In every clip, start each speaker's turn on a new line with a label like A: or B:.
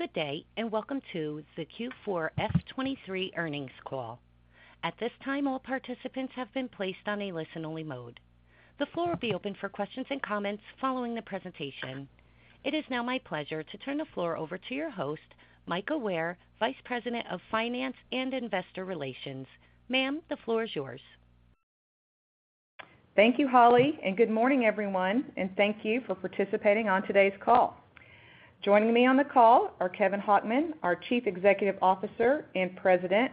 A: Good day, and welcome to the Q4 Fiscal 2023 earnings call. At this time, all participants have been placed on a listen-only mode. The floor will be open for questions and comments following the presentation. It is now my pleasure to turn the floor over to your host, Mika Ware, Vice President of Finance and Investor Relations. Ma'am, the floor is yours.
B: Thank you, Holly, good morning, everyone, and thank you for participating on today's call. Joining me on the call are Kevin Hochman, our Chief Executive Officer and President,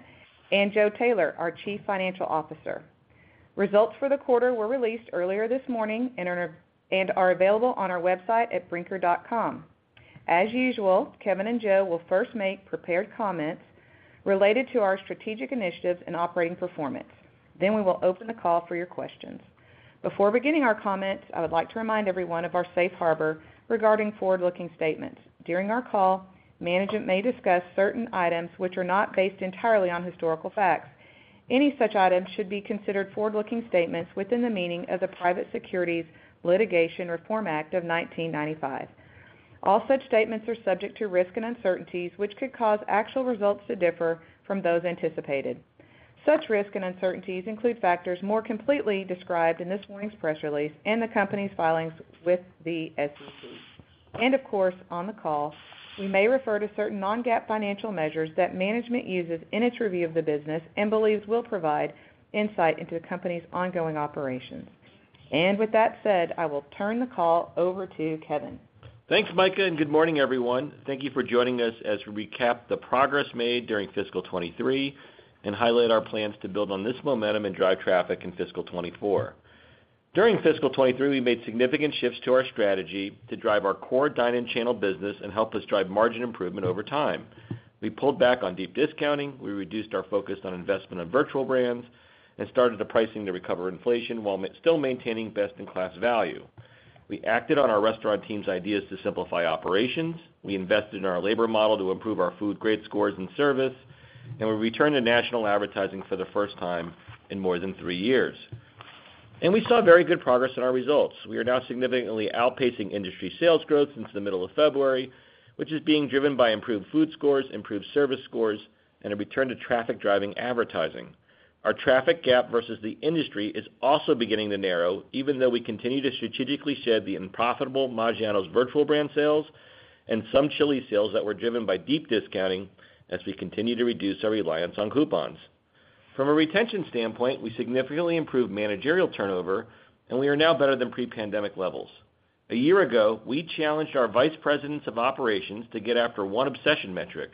B: and Joe Taylor, our Chief Financial Officer. Results for the quarter were released earlier this morning and are available on our website at brinker.com. As usual, Kevin and Joe will first make prepared comments related to our strategic initiatives and operating performance. We will open the call for your questions. Before beginning our comments, I would like to remind everyone of our safe harbor regarding forward-looking statements. During our call, management may discuss certain items which are not based entirely on historical facts. Any such items should be considered forward-looking statements within the meaning of the Private Securities Litigation Reform Act of 1995. All such statements are subject to risks and uncertainties, which could cause actual results to differ from those anticipated. Such risks and uncertainties include factors more completely described in this morning's press release and the company's filings with the SEC. Of course, on the call, we may refer to certain non-GAAP financial measures that management uses in its review of the business and believes will provide insight into the company's ongoing operations. With that said, I will turn the call over to Kevin.
C: Thanks, Mika. Good morning, everyone. Thank you for joining us as we recap the progress made during fiscal 2023 and highlight our plans to build on this momentum and drive traffic in fiscal 2024. During fiscal 2023, we made significant shifts to our strategy to drive our core dine-in channel business and help us drive margin improvement over time. We pulled back on deep discounting. We reduced our focus on investment on virtual brands and started the pricing to recover inflation while still maintaining best-in-class value. We acted on our restaurant team's ideas to simplify operations. We invested in our labor model to improve our food grade scores and service, and we returned to national advertising for the first time in more than three years. We saw very good progress in our results. We are now significantly outpacing industry sales growth since the middle of February, which is being driven by improved food scores, improved service scores, and a return to traffic-driving advertising. Our traffic gap versus the industry is also beginning to narrow, even though we continue to strategically shed the unprofitable Maggiano's virtual brand sales and some Chili's sales that were driven by deep discounting as we continue to reduce our reliance on coupons. From a retention standpoint, we significantly improved managerial turnover, and we are now better than pre-pandemic levels. A year ago, we challenged our Vice Presidents of Operations to get after one obsession metric.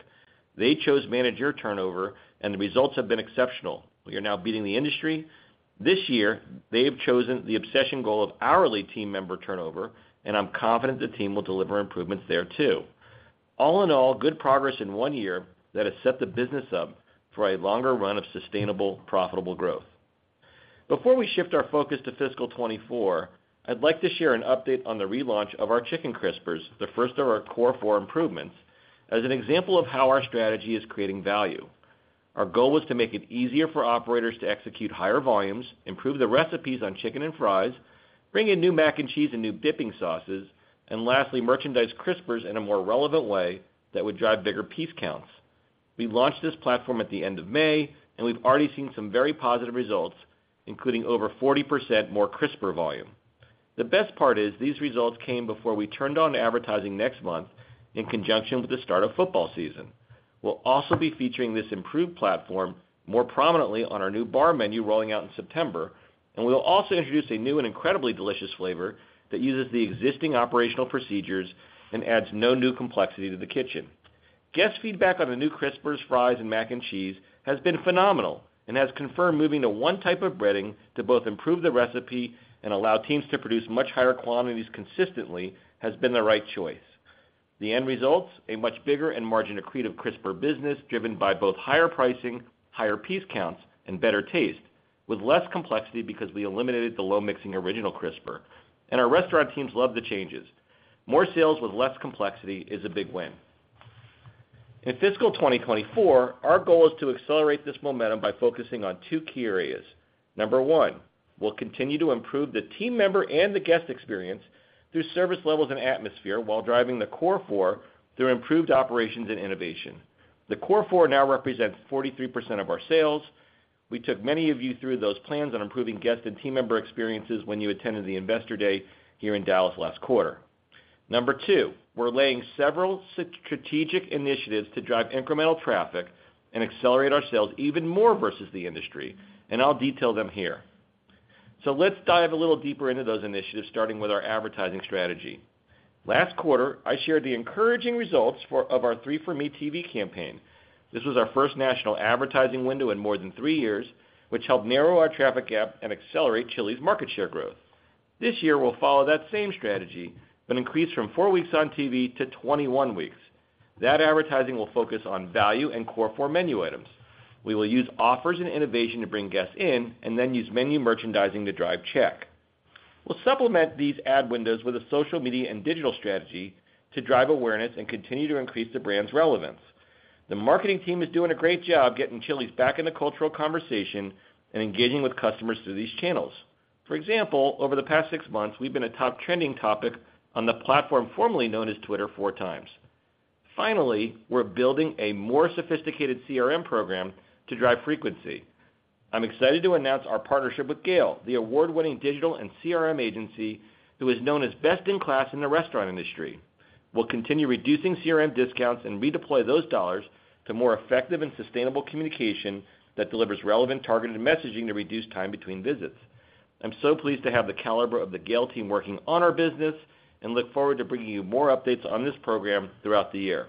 C: They chose manager turnover, and the results have been exceptional. We are now beating the industry. This year, they have chosen the obsession goal of hourly team member turnover, and I'm confident the team will deliver improvements there, too. All in all, good progress in one year that has set the business up for a longer run of sustainable, profitable growth. Before we shift our focus to fiscal 2024, I'd like to share an update on the relaunch of our Chicken crispers, the first of our Core Four improvements, as an example of how our strategy is creating value. Our goal was to make it easier for operators to execute higher volumes, improve the recipes on chicken and fries, bring in new mac and cheese and new dipping sauces, and lastly, merchandise Crispers in a more relevant way that would drive bigger piece counts. We launched this platform at the end of May, and we've already seen some very positive results, including over 40% more Crispers volume. The best part is these results came before we turned on advertising next month in conjunction with the start of football season. We'll also be featuring this improved platform more prominently on our new bar menu rolling out in September. We will also introduce a new and incredibly delicious flavor that uses the existing operational procedures and adds no new complexity to the kitchen. Guest feedback on the new crispers, fries, and mac and cheese has been phenomenal and has confirmed moving to one type of breading to both improve the recipe and allow teams to produce much higher quantities consistently has been the right choice. The end results, a much bigger and margin accretive crisper business, driven by both higher pricing, higher piece counts, and better taste, with less complexity because we eliminated the low-mixing original crisper. Our restaurant teams love the changes. More sales with less complexity is a big win. In fiscal 2024, our goal is to accelerate this momentum by focusing on two key areas. Number one, we'll continue to improve the team member and the guest experience through service levels and atmosphere, while driving the core four through improved operations and innovation. The Core Four now represents 43% of our sales. We took many of you through those plans on improving guest and team member experiences when you attended the Investor Day here in Dallas last quarter. Number two, we're laying several strategic initiatives to drive incremental traffic and accelerate our sales even more versus the industry, and I'll detail them here. Let's dive a little deeper into those initiatives, starting with our advertising strategy. Last quarter, I shared the encouraging results "3 For Me" tv campaign. This was our first national advertising window in more than three years, which helped narrow our traffic gap and accelerate Chili's market share growth. This year, we'll follow that same strategy, but increase from four weeks on TV to 21 weeks. That advertising will focus on value and core four menu items. We will use offers and innovation to bring guests in, and then use menu merchandising to drive check. We'll supplement these ad windows with a social media and digital strategy to drive awareness and continue to increase the brand's relevance. The marketing team is doing a great job getting Chili's back in the cultural conversation and engaging with customers through these channels. For example, over the past six months, we've been a top trending topic on the platform formerly known as Twitter, four times. Finally, we're building a more sophisticated CRM program to drive frequency. I'm excited to announce our partnership with GALE, the award-winning digital and CRM agency, who is known as best in class in the restaurant industry. We'll continue reducing CRM discounts and redeploy those $ to more effective and sustainable communication that delivers relevant, targeted messaging to reduce time between visits. I'm so pleased to have the caliber of the GALE team working on our business, and look forward to bringing you more updates on this program throughout the year.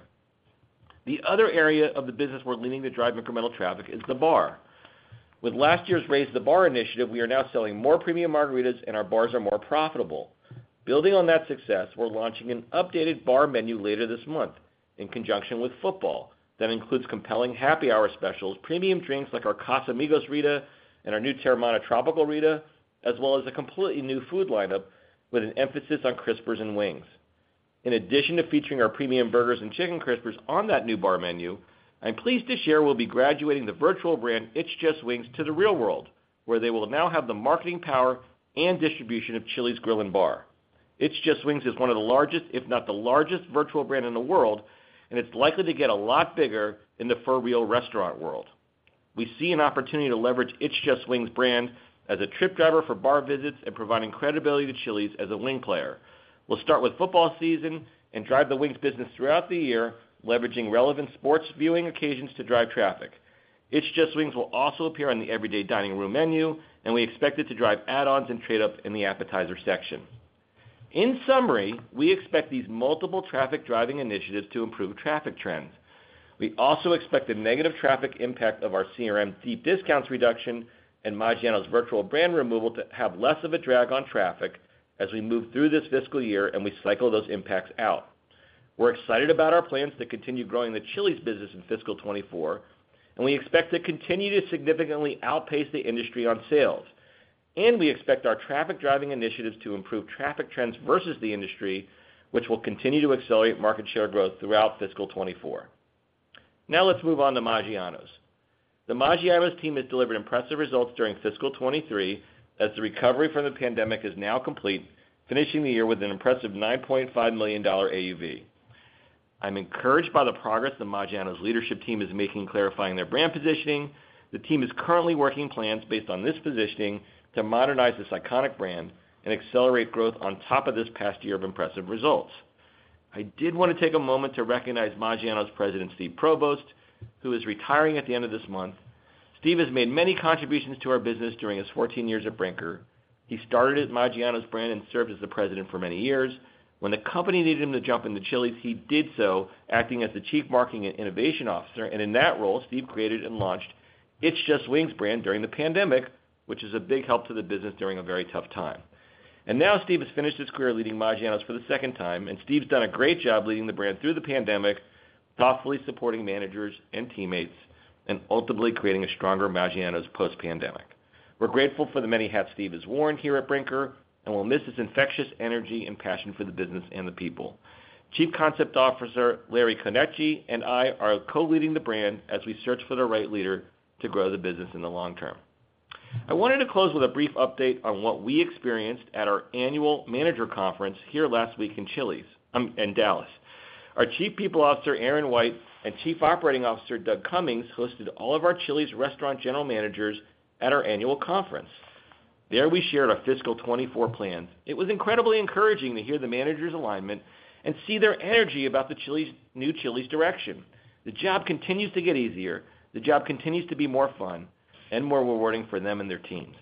C: The other area of the business we're leaning to drive incremental traffic is the bar. With last year's Raise the Bar initiative, we are now selling more premium margaritas, and our bars are more profitable. Building on that success, we're launching an updated bar menu later this month in conjunction with football, that includes compelling happy hour specials, premium drinks like our Casamigos 'Rita and our new Teremana Tropical Rita, as well as a completely new food lineup with an emphasis on crispers and wings. In addition to featuring our premium burgers and Chicken Crispers on that new bar menu, I'm pleased to share we'll be graduating the virtual brand, It's Just Wings, to the real world, where they will now have the marketing power and distribution of Chili's Grill & Bar. It's Just Wings is one of the largest, if not the largest, virtual brand in the world, and it's likely to get a lot bigger in the for real restaurant world. We see an opportunity to leverage It's Just Wings brand as a trip driver for bar visits and providing credibility to Chili's as a wing player. We'll start with football season and drive the wings business throughout the year, leveraging relevant sports viewing occasions to drive traffic. It's Just Wings will also appear on the everyday dining room menu, and we expect it to drive add-ons and trade-ups in the appetizer section. In summary, we expect these multiple traffic-driving initiatives to improve traffic trends. We also expect the negative traffic impact of our CRM deep discounts reduction and Maggiano's virtual brand removal to have less of a drag on traffic as we move through this fiscal year and we cycle those impacts out. We're excited about our plans to continue growing the Chili's business in fiscal 2024, and we expect to continue to significantly outpace the industry on sales. We expect our traffic-driving initiatives to improve traffic trends versus the industry, which will continue to accelerate market share growth throughout fiscal 2024. Let's move on to Maggiano's. The Maggiano's team has delivered impressive results during fiscal 2023, as the recovery from the pandemic is now complete, finishing the year with an impressive $9.5 million AUV. I'm encouraged by the progress the Maggiano's leadership team is making, clarifying their brand positioning. The team is currently working plans based on this positioning to modernize this iconic brand and accelerate growth on top of this past year of impressive results. I did want to take a moment to recognize Maggiano's President, Steve Provost, who is retiring at the end of this month. Steve has made many contributions to our business during his 14 years at Brinker. He started at Maggiano's brand and served as the president for many years. When the company needed him to jump into Chili's, he did so, acting as the Chief Marketing and Innovation Officer, and in that role, Steve created and launched It's Just Wings brand during the pandemic, which is a big help to the business during a very tough time. Now Steve has finished his career leading Maggiano's for the second time, and Steve's done a great job leading the brand through the pandemic, thoughtfully supporting managers and teammates, and ultimately creating a stronger Maggiano's post-pandemic. We're grateful for the many hats Steve has worn here at Brinker and will miss his infectious energy and passion for the business and the people. Chief Concept Officer, Larry Konecny, and I are co-leading the brand as we search for the right leader to grow the business in the long term. I wanted to close with a brief update on what we experienced at our annual manager conference here last week in Chili's in Dallas. Our Chief People Officer, Aaron White, and Chief Operating Officer, Doug Comings, hosted all of our Chili's restaurant general managers at our annual conference. There, we shared our fiscal 2024 plans. It was incredibly encouraging to hear the managers' alignment and see their energy about the Chili's-- new Chili's direction. The job continues to get easier. The job continues to be more fun and more rewarding for them and their teams.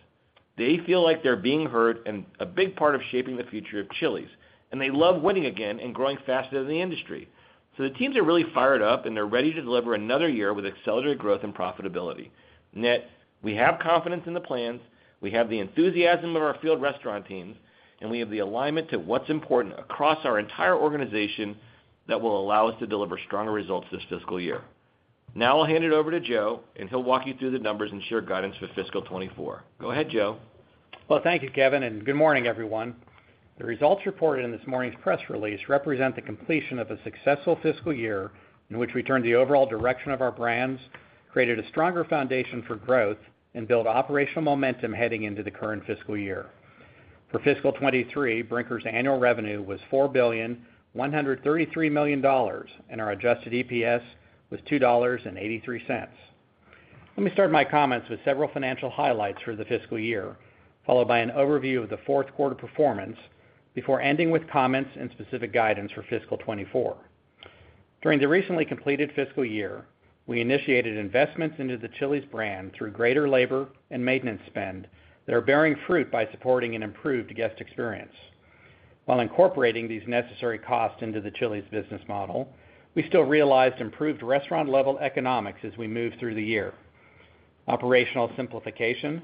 C: They feel like they're being heard and a big part of shaping the future of Chili's, and they love winning again and growing faster than the industry. The teams are really fired up, and they're ready to deliver another year with accelerated growth and profitability. Net, we have confidence in the plans, we have the enthusiasm of our field restaurant teams, and we have the alignment to what's important across our entire organization that will allow us to deliver stronger results this fiscal year. Now I'll hand it over to Joe, and he'll walk you through the numbers and share guidance for fiscal 2024. Go ahead, Joe.
D: Well, thank you, Kevin Hochman, and good morning, everyone. The results reported in this morning's press release represent the completion of a successful fiscal year in which we turned the overall direction of our brands, created a stronger foundation for growth, and built operational momentum heading into the current fiscal year. For fiscal 2023, Brinker International's annual revenue was $4.133 billion, and our adjusted EPS was $2.83. Let me start my comments with several financial highlights for the fiscal year, followed by an overview of the fourth quarter performance, before ending with comments and specific guidance for fiscal 2024. During the recently completed fiscal year, we initiated investments into the Chili's brand through greater labor and maintenance spend that are bearing fruit by supporting an improved guest experience. While incorporating these necessary costs into the Chili's business model, we still realized improved restaurant-level economics as we moved through the year. Operational simplification,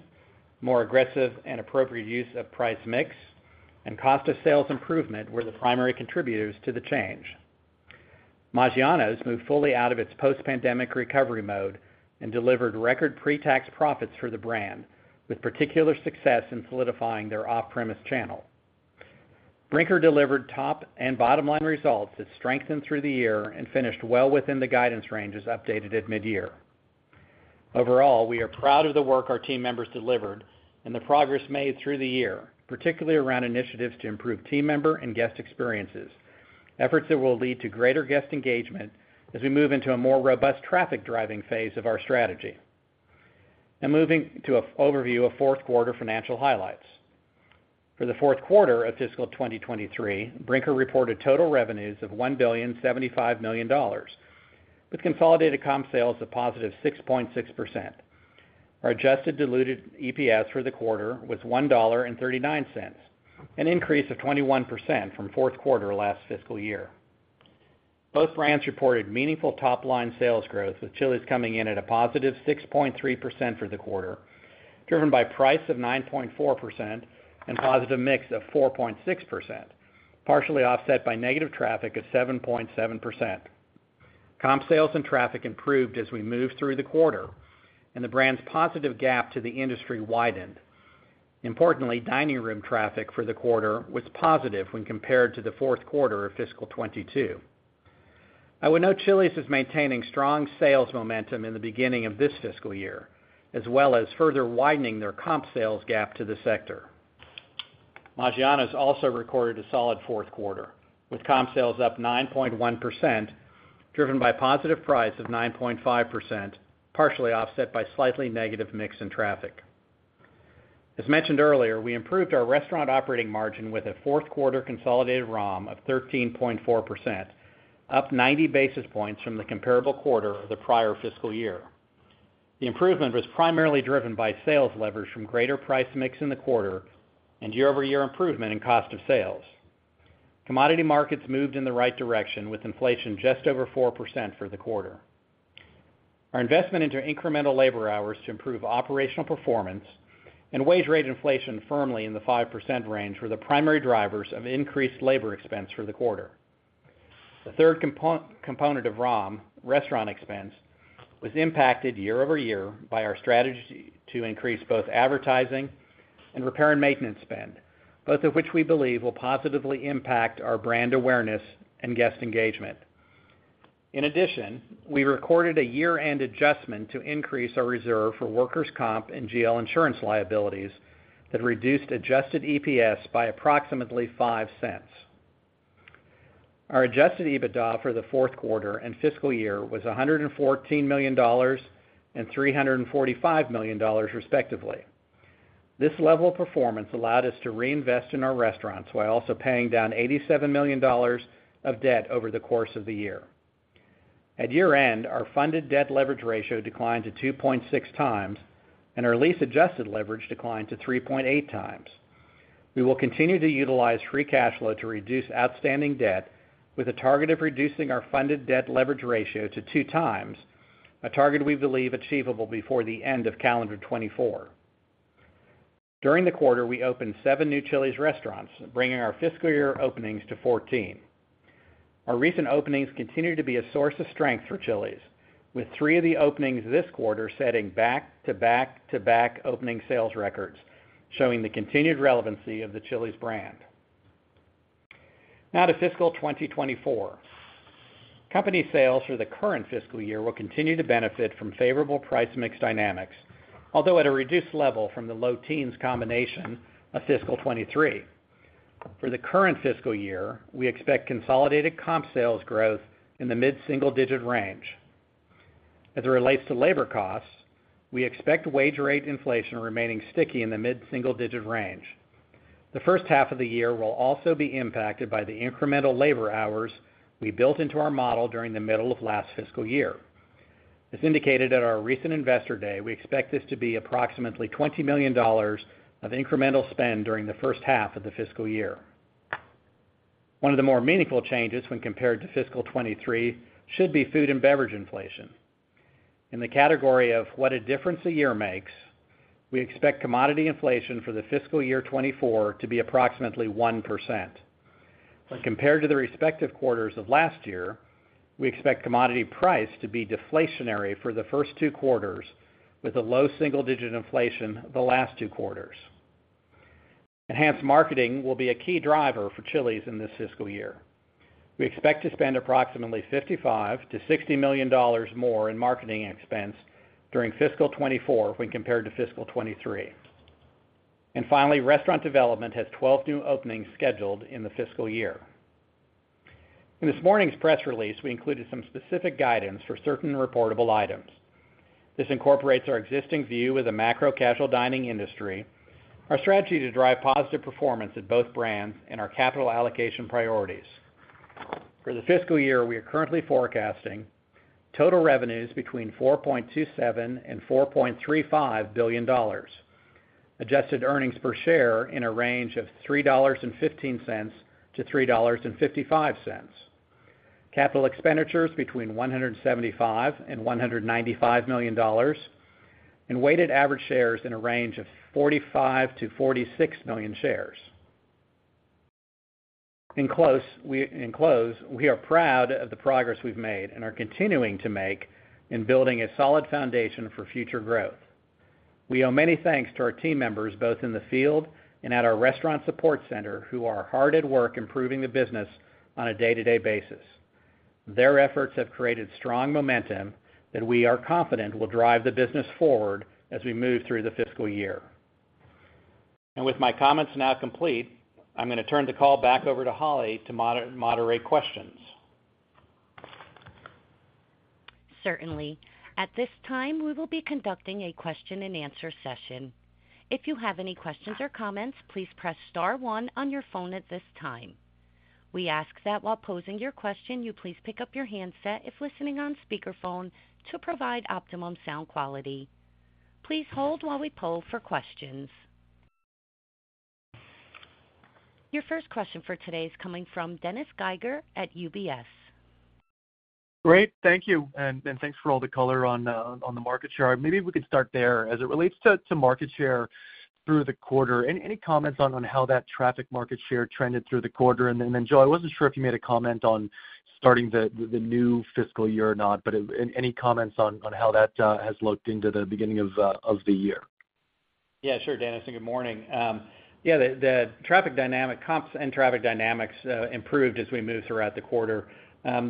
D: more aggressive and appropriate use of price mix, and cost of sales improvement were the primary contributors to the change. Maggiano's moved fully out of its post-pandemic recovery mode and delivered record pre-tax profits for the brand, with particular success in solidifying their off-premise channel. Brinker delivered top and bottom line results that strengthened through the year and finished well within the guidance ranges updated at mid-year. Overall, we are proud of the work our team members delivered and the progress made through the year, particularly around initiatives to improve team member and guest experiences, efforts that will lead to greater guest engagement as we move into a more robust traffic-driving phase of our strategy. Now moving to a overview of fourth quarter financial highlights. For the fourth quarter of fiscal 2023, Brinker reported total revenues of $1.075 billion, with consolidated comp sales of positive 6.6%. Our adjusted diluted EPS for the quarter was $1.39, an increase of 21% from fourth quarter last fiscal year. Both brands reported meaningful top-line sales growth, with Chili's coming in at a positive 6.3% for the quarter, driven by price of 9.4% and positive mix of 4.6%, partially offset by negative traffic of 7.7%. Comp sales and traffic improved as we moved through the quarter, and the brand's positive gap to the industry widened. Importantly, dining room traffic for the quarter was positive when compared to the fourth quarter of fiscal 2022. I would note Chili's is maintaining strong sales momentum in the beginning of this fiscal year, as well as further widening their comp sales gap to the sector. Maggiano's also recorded a solid fourth quarter, with comp sales up 9.1%, driven by positive price of 9.5%, partially offset by slightly negative mix in traffic. As mentioned earlier, we improved our restaurant operating margin with a fourth quarter consolidated ROM of 13.4%, up 90 basis points from the comparable quarter of the prior fiscal year. The improvement was primarily driven by sales leverage from greater price mix in the quarter and year-over-year improvement in cost of sales. Commodity markets moved in the right direction, with inflation just over 4% for the quarter. Our investment into incremental labor hours to improve operational performance and wage rate inflation firmly in the 5% range were the primary drivers of increased labor expense for the quarter. The third component of ROM, restaurant expense, was impacted year-over-year by our strategy to increase both advertising and repair and maintenance spend, both of which we believe will positively impact our brand awareness and guest engagement. In addition, we recorded a year-end adjustment to increase our reserve for workers' comp and GL insurance liabilities that reduced adjusted EPS by approximately $0.05. Our adjusted EBITDA for the fourth quarter and fiscal year was $114 million and $345 million, respectively. This level of performance allowed us to reinvest in our restaurants while also paying down $87 million of debt over the course of the year. At year-end, our funded debt leverage ratio declined to 2.6x, and our lease-adjusted leverage declined to 3.8x. We will continue to utilize free cash flow to reduce outstanding debt with a target of reducing our funded debt leverage ratio to 2x, a target we believe achievable before the end of calendar 2024. During the quarter, we opened 7 new Chili's restaurants, bringing our fiscal year openings to 14. Our recent openings continue to be a source of strength for Chili's, with three of the openings this quarter setting back-to-back to back opening sales records, showing the continued relevancy of the Chili's brand. Now to fiscal 2024. Company sales for the current fiscal year will continue to benefit from favorable price mix dynamics, although at a reduced level from the low teens combination of fiscal 2023. For the current fiscal year, we expect consolidated comp sales growth in the mid-single digit range. As it relates to labor costs, we expect wage rate inflation remaining sticky in the mid-single digit range. The first half of the year will also be impacted by the incremental labor hours we built into our model during the middle of last fiscal year. As indicated at our recent Investor Day, we expect this to be approximately $20 million of incremental spend during the first half of the fiscal year. One of the more meaningful changes when compared to fiscal 2023 should be food and beverage inflation. In the category of what a difference a year makes, we expect commodity inflation for the fiscal year 2024 to be approximately 1%. When compared to the respective quarters of last year, we expect commodity price to be deflationary for the first two quarters, with a low single-digit inflation the last two quarters. Enhanced marketing will be a key driver for Chili's in this fiscal year. We expect to spend approximately $55 million-$60 million more in marketing expense during fiscal 2024 when compared to fiscal 2023. Finally, restaurant development has 12 new openings scheduled in the fiscal year. In this morning's press release, we included some specific guidance for certain reportable items. This incorporates our existing view of the macro casual dining industry, our strategy to drive positive performance at both brands, and our capital allocation priorities. For the fiscal year, we are currently forecasting total revenues between $4.27 billion and $4.35 billion, adjusted earnings per share in a range of $3.15-$3.55, capital expenditures between $175 million and $195 million, and weighted average shares in a range of 45 million-46 million shares. In close, we are proud of the progress we've made and are continuing to make in building a solid foundation for future growth. We owe many thanks to our team members, both in the field and at our Restaurant Support Center, who are hard at work improving the business on a day-to-day basis. Their efforts have created strong momentum that we are confident will drive the business forward as we move through the fiscal year. With my comments now complete, I'm going to turn the call back over to Holly to moderate questions.
A: Certainly. At this time, we will be conducting a question-and-answer session. If you have any questions or comments, please press star one on your phone at this time. We ask that while posing your question, you please pick up your handset if listening on speakerphone to provide optimum sound quality. Please hold while we poll for questions. Your first question for today is coming from Dennis Geiger at UBS.
E: Great, thank you, and thanks for all the color on the market share. Maybe we could start there. As it relates to, to market share through the quarter, any, any comments on, on how that traffic market share trended through the quarter? Joe, I wasn't sure if you made a comment on starting the new fiscal year or not, but any comments on how that has looked into the beginning of the year?
D: Yeah, sure, Dennis, and good morning. Yeah, the, the traffic comps and traffic dynamics improved as we moved throughout the quarter.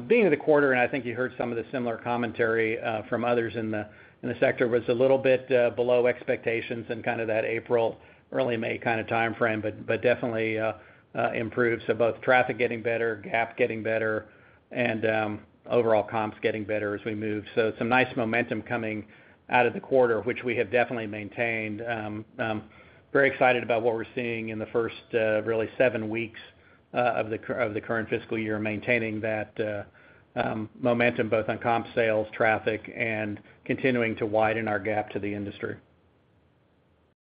D: Being in the quarter, and I think you heard some of the similar commentary from others in the, in the sector, was a little bit below expectations in kind of that April, early May kind of time frame, but, but definitely improved. Both traffic getting better, gap getting better, and overall comps getting better as we move. Some nice momentum coming out of the quarter, which we have definitely maintained. Very excited about what we're seeing in the first really seven weeks of the current fiscal year, maintaining that momentum, both on comp sales, traffic, and continuing to widen our gap to the industry.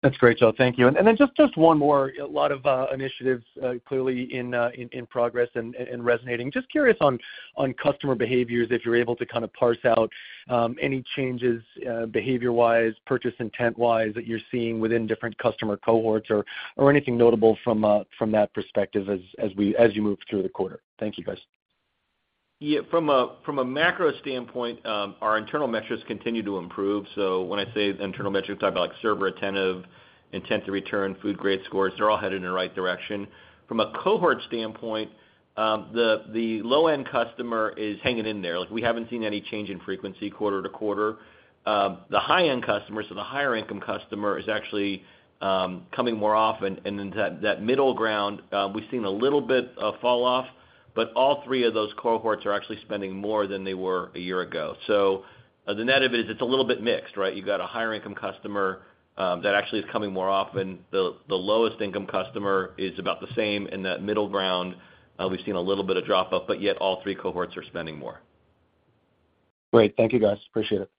E: That's great, Joe. Thank you. Then just, just one more. A lot of initiatives, clearly in, in progress and, and resonating. Just curious on, on customer behaviors, if you're able to kind of parse out any changes, behavior-wise, purchase intent-wise, that you're seeing within different customer cohorts or, or anything notable from that perspective as you move through the quarter. Thank you, guys.
C: Yeah, from a, from a macro standpoint, our internal metrics continue to improve. When I say internal metrics, I talk about, like, server attentive, intent to return, food grade scores, they're all headed in the right direction. From a cohort standpoint, the, the low-end customer is hanging in there. Like, we haven't seen any change in frequency quarter-to-quarter. The high-end customers, so the higher income customer, is actually coming more often, and then that, that middle ground, we've seen a little bit of falloff, but all three of those cohorts are actually spending more than they were a year ago. The net of it is, it's a little bit mixed, right? You've got a higher income customer, that actually is coming more often. The, the lowest income customer is about the same. In that middle ground, we've seen a little bit of drop off, but yet all three cohorts are spending more.
E: Great. Thank you, guys. Appreciate it.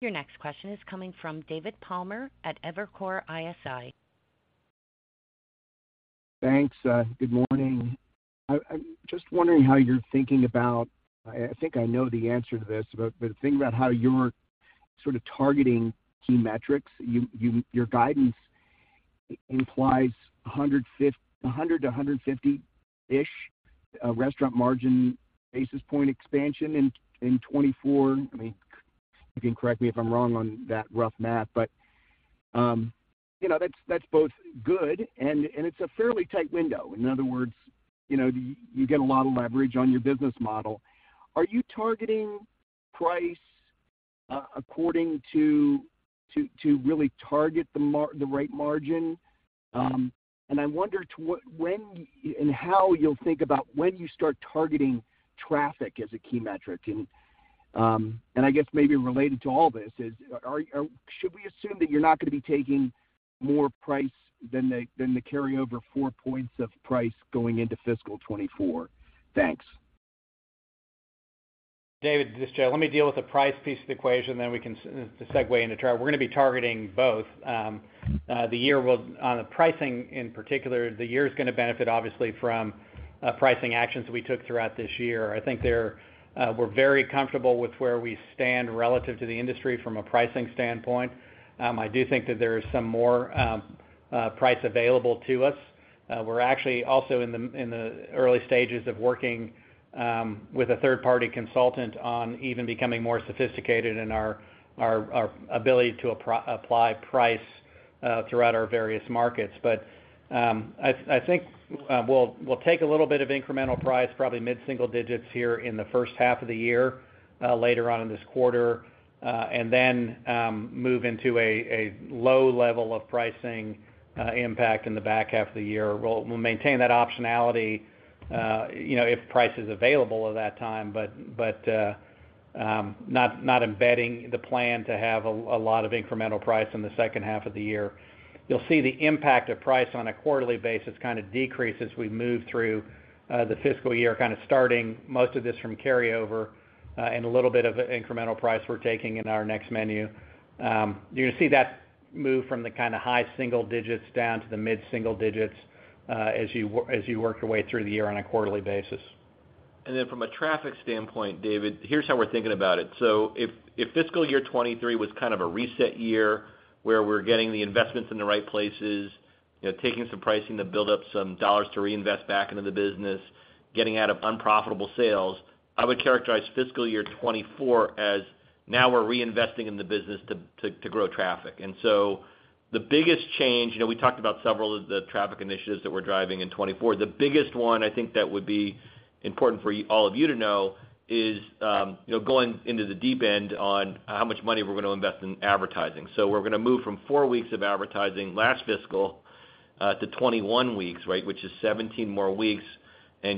A: Your next question is coming from David Palmer at Evercore ISI.
F: Thanks. Good morning. I'm just wondering how you're thinking about... I, I think I know the answer to this, but, but think about how you're sort of targeting key metrics. Your guidance implies 100-150-ish restaurant margin basis point expansion in 2024. I mean, you can correct me if I'm wrong on that rough math, but, you know, that's, that's both good and, and it's a fairly tight window. In other words, you know, you get a lot of leverage on your business model. Are you targeting price, according to, to, to really target the right margin? I wonder to when and how you'll think about when you start targeting traffic as a key metric. I guess maybe related to all this is, should we assume that you're not going to be taking more price than the, than the carryover four points of price going into fiscal 2024? Thanks.
D: David, this is Joe. Let me deal with the price piece of the equation, then we can segue into traffic. We're going to be targeting both. The year will, on the pricing in particular, the year is going to benefit, obviously, from pricing actions we took throughout this year. I think they're, we're very comfortable with where we stand relative to the industry from a pricing standpoint. I do think that there is some more price available to us. We're actually also in the, in the early stages of working with a third-party consultant on even becoming more sophisticated in our, our, our ability to apply price throughout our various markets. I think, we'll, we'll take a little bit of incremental price, probably mid-single digits here in the first half of the year, later on in this quarter, and then, move into a, a low level of pricing, impact in the back half of the year. We'll, we'll maintain that optionality, you know, if price is available at that time, but, not embedding the plan to have a, a lot of incremental price in the second half of the year. You'll see the impact of price on a quarterly basis kind of decrease as we move through, the fiscal year, kind of starting most of this from carryover, and a little bit of incremental price we're taking in our next menu. You're going to see that move from the kind of high single digits down to the mid-single digits as you work your way through the year on a quarterly basis.
C: Then from a traffic standpoint, David, here's how we're thinking about it: So if, if fiscal year 23 was kind of a reset year, where we're getting the investments in the right places, taking some pricing to build up some dollars to reinvest back into the business, getting out of unprofitable sales. I would characterize fiscal year 24 as now we're reinvesting in the business to, to grow traffic. So the biggest change, you know, we talked about several of the traffic initiatives that we're driving in 24. The biggest one, I think that would be important for all of you to know is going into the deep end on how much money we're going to invest in advertising. We're going to move from four weeks of advertising last fiscal to 21 weeks, right, which is 17 more weeks.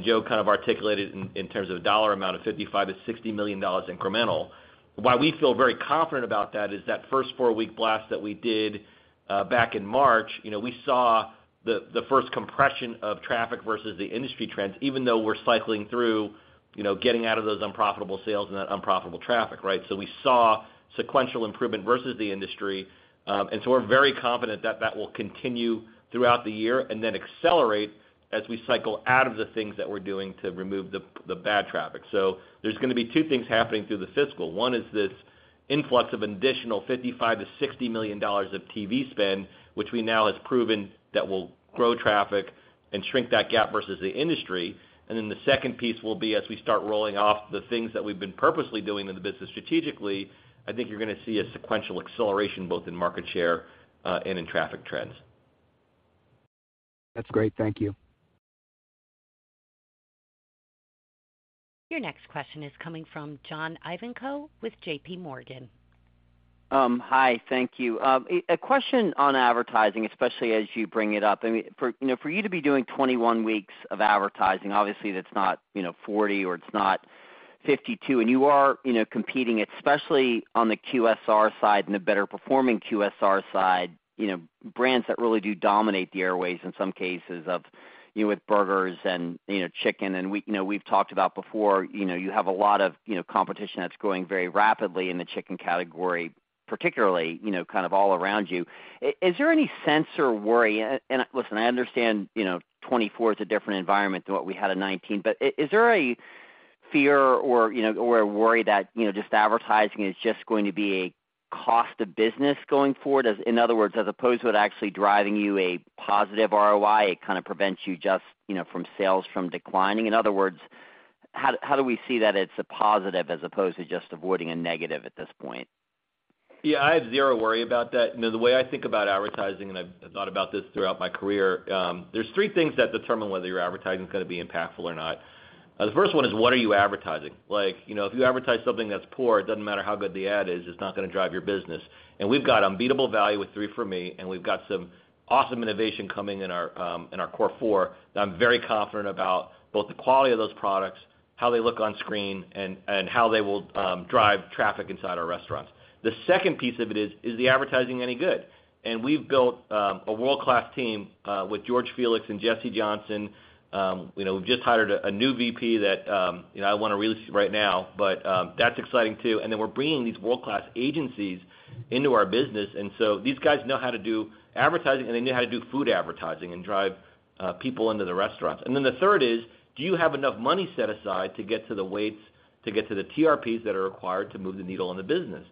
C: Joe kind of articulated in, in terms of dollar amount of $55 million-$60 million incremental. Why we feel very confident about that is that first fou-week blast that we did back in March, you know, we saw the, the first compression of traffic versus the industry trends, even though we're cycling through, you know, getting out of those unprofitable sales and that unprofitable traffic, right? We saw sequential improvement versus the industry. So we're very confident that that will continue throughout the year and then accelerate as we cycle out of the things that we're doing to remove the, the bad traffic. There's going to be two things happening through the fiscal. One is this influx of an additional $55 million-$60 million of TV spend, which we now has proven that will grow traffic and shrink that gap versus the industry. The second piece will be, as we start rolling off the things that we've been purposely doing in the business strategically, I think you're going to see a sequential acceleration, both in market share and in traffic trends.
G: That's great. Thank you.
A: Your next question is coming from John Ivankoe with JPMorgan.
H: Hi, thank you. A question on advertising, especially as you bring it up. I mean, for, you know, for you to be doing 21 weeks of advertising, obviously, that's not, you know, 40 or it's not 52, and you are, you know, competing, especially on the QSR side and the better performing QSR side, you know, brands that really do dominate the airways in some cases of, you know, with burgers and, you know, chicken. You know, we've talked about before, you know, you have a lot of, you know, competition that's growing very rapidly in the chicken category, particularly, you know, kind of all around you. Is there any sense or worry? Listen, I understand, you know, 2024 is a different environment than what we had in 2019, but is there a fear or, you know, or a worry that, you know, just advertising is just going to be a cost of business going forward? In other words, as opposed to it actually driving you a positive ROI, it kind of prevents you just, you know, from sales from declining. In other words, how do we see that it's a positive as opposed to just avoiding a negative at this point?
C: Yeah, I have zero worry about that. You know, the way I think about advertising, I've thought about this throughout my career, there's three things that determine whether your advertising is going to be impactful or not. The first one is, what are you advertising? Like, you know, if you advertise something that's poor, it doesn't matter how good the ad is, it's not going to drive your business. We've got unbeatable value with "3 for Me", and we've got some awesome innovation coming in our, in our core four, that I'm very confident about both the quality of those products, how they look on screen, and how they will drive traffic inside our restaurants. The second piece of it is, is the advertising any good? We've built a world-class team with George Felix and Jesse Johnson. You know, we've just hired a, a new VP that, you know, I want to release right now, but that's exciting too. Then we're bringing these world-class agencies into our business. So these guys know how to do advertising, and they know how to do food advertising and drive people into the restaurants. Then the third is, do you have enough money set aside to get to the weights, to get to the TRPs that are required to move the needle in the business?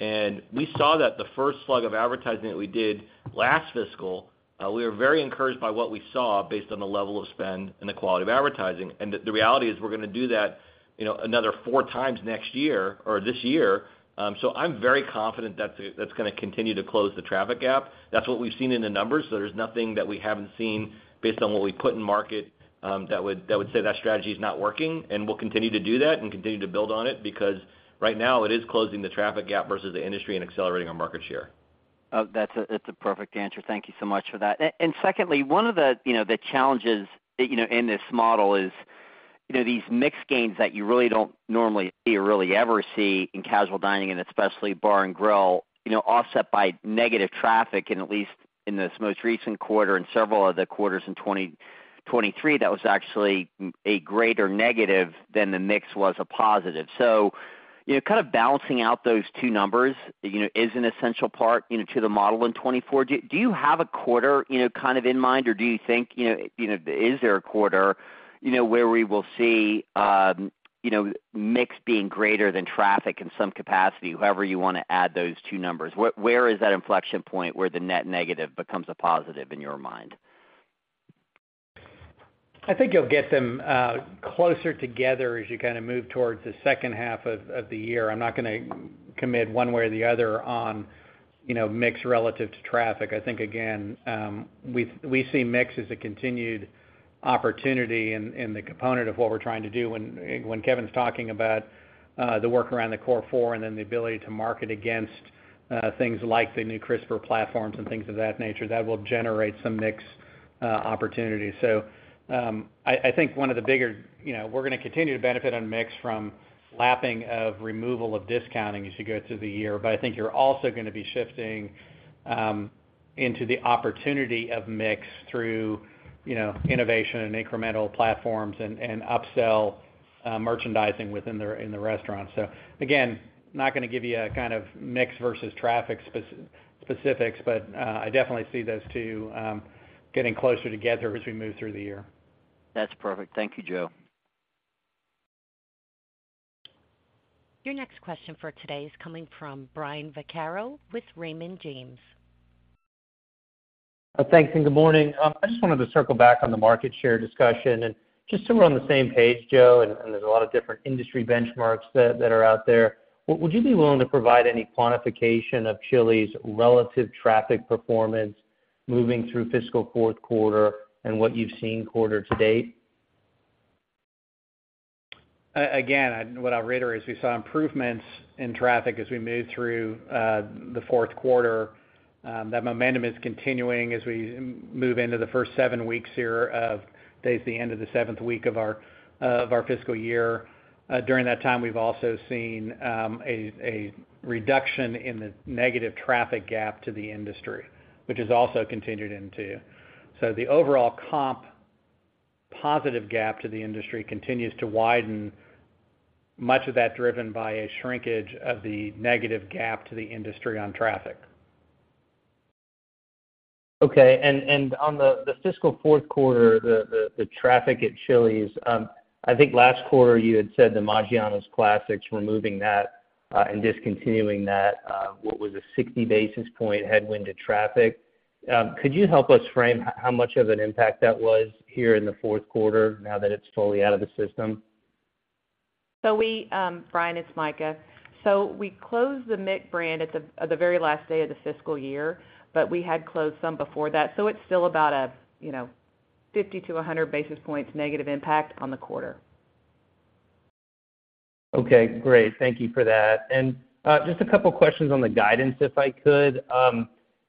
C: We saw that the first slug of advertising that we did last fiscal, we were very encouraged by what we saw based on the level of spend and the quality of advertising. The, the reality is we're going to do that, you know, another four times next year or this year. I'm very confident that's, that's going to continue to close the traffic gap. That's what we've seen in the numbers. There's nothing that we haven't seen based on what we put in market, that would, that would say that strategy is not working, and we'll continue to do that and continue to build on it. Right now, it is closing the traffic gap versus the industry and accelerating our market share.
H: Oh, that's a, that's a perfect answer. Thank you so much for that. Secondly, one of the, you know, the challenges, you know, in this model is, you know, these mixed gains that you really don't normally see or really ever see in casual dining and especially bar and grill, you know, offset by negative traffic, and at least in this most recent quarter and several of the quarters in 2023, that was actually a greater negative than the mix was a positive. You know, kind of balancing out those two numbers, you know, is an essential part, you know, to the model in 2024. Do you have a quarter, you know, kind of in mind, or do you think, you know, is there a quarter, you know, where we will see, you know, mix being greater than traffic in some capacity, however you want to add those two numbers? Where is that inflection point where the net negative becomes a positive in your mind?
D: I think you'll get them closer together as you kind of move towards the second half of, of the year. I'm not going to commit one way or the other on, you know, mix relative to traffic. I think again, we, we see mix as a continued opportunity and, and the component of what we're trying to do when, when Kevin's talking about the work around the core four, and then the ability to market against things like the new crisper platforms and things of that nature, that will generate some mix opportunity. I, I think one of the bigger... You know, we're going to continue to benefit on mix from lapping of removal of discounting as you go through the year. I think you're also going to be shifting, into the opportunity of mix through, you know, innovation and incremental platforms and, and upsell, merchandising within the, in the restaurant. Again, not going to give you a kind of mix versus traffic specifics, but, I definitely see those two, getting closer together as we move through the year.
H: That's perfect. Thank you, Joe.
A: Your next question for today is coming from Brian Vaccaro with Raymond James.
I: Thanks, and good morning. I just wanted to circle back on the market share discussion and just to run on the same page, Joe, and there's a lot of different industry benchmarks that are out there. Would you be willing to provide any quantification of Chili's relative traffic performance moving through fiscal fourth quarter and what you've seen quarter to date?
D: Again, what I'd reiterate is we saw improvements in traffic as we moved through the fourth quarter. That momentum is continuing as we move into the first seven weeks here of, today's the end of the seventh week of our, of our fiscal year. During that time, we've also seen a reduction in the negative traffic gap to the industry, which has also continued into. The overall comp positive gap to the industry continues to widen, much of that driven by a shrinkage of the negative gap to the industry on traffic.
I: Okay. On the fiscal fourth quarter, the traffic at Chili's, I think last quarter, you had said the Maggiano's Classics, removing that, and discontinuing that, what was a 60 basis point headwind to traffic? Could you help us frame how much of an impact that was here in the fourth quarter now that it's fully out of the system?
B: We, Brian, it's Mika. We closed the MC brand at the, at the very last day of the fiscal year, but we had closed some before that. It's still about a, you know, 50-100 basis points negative impact on the quarter.
I: Okay, great. Thank you for that. Just a couple of questions on the guidance, if I could. I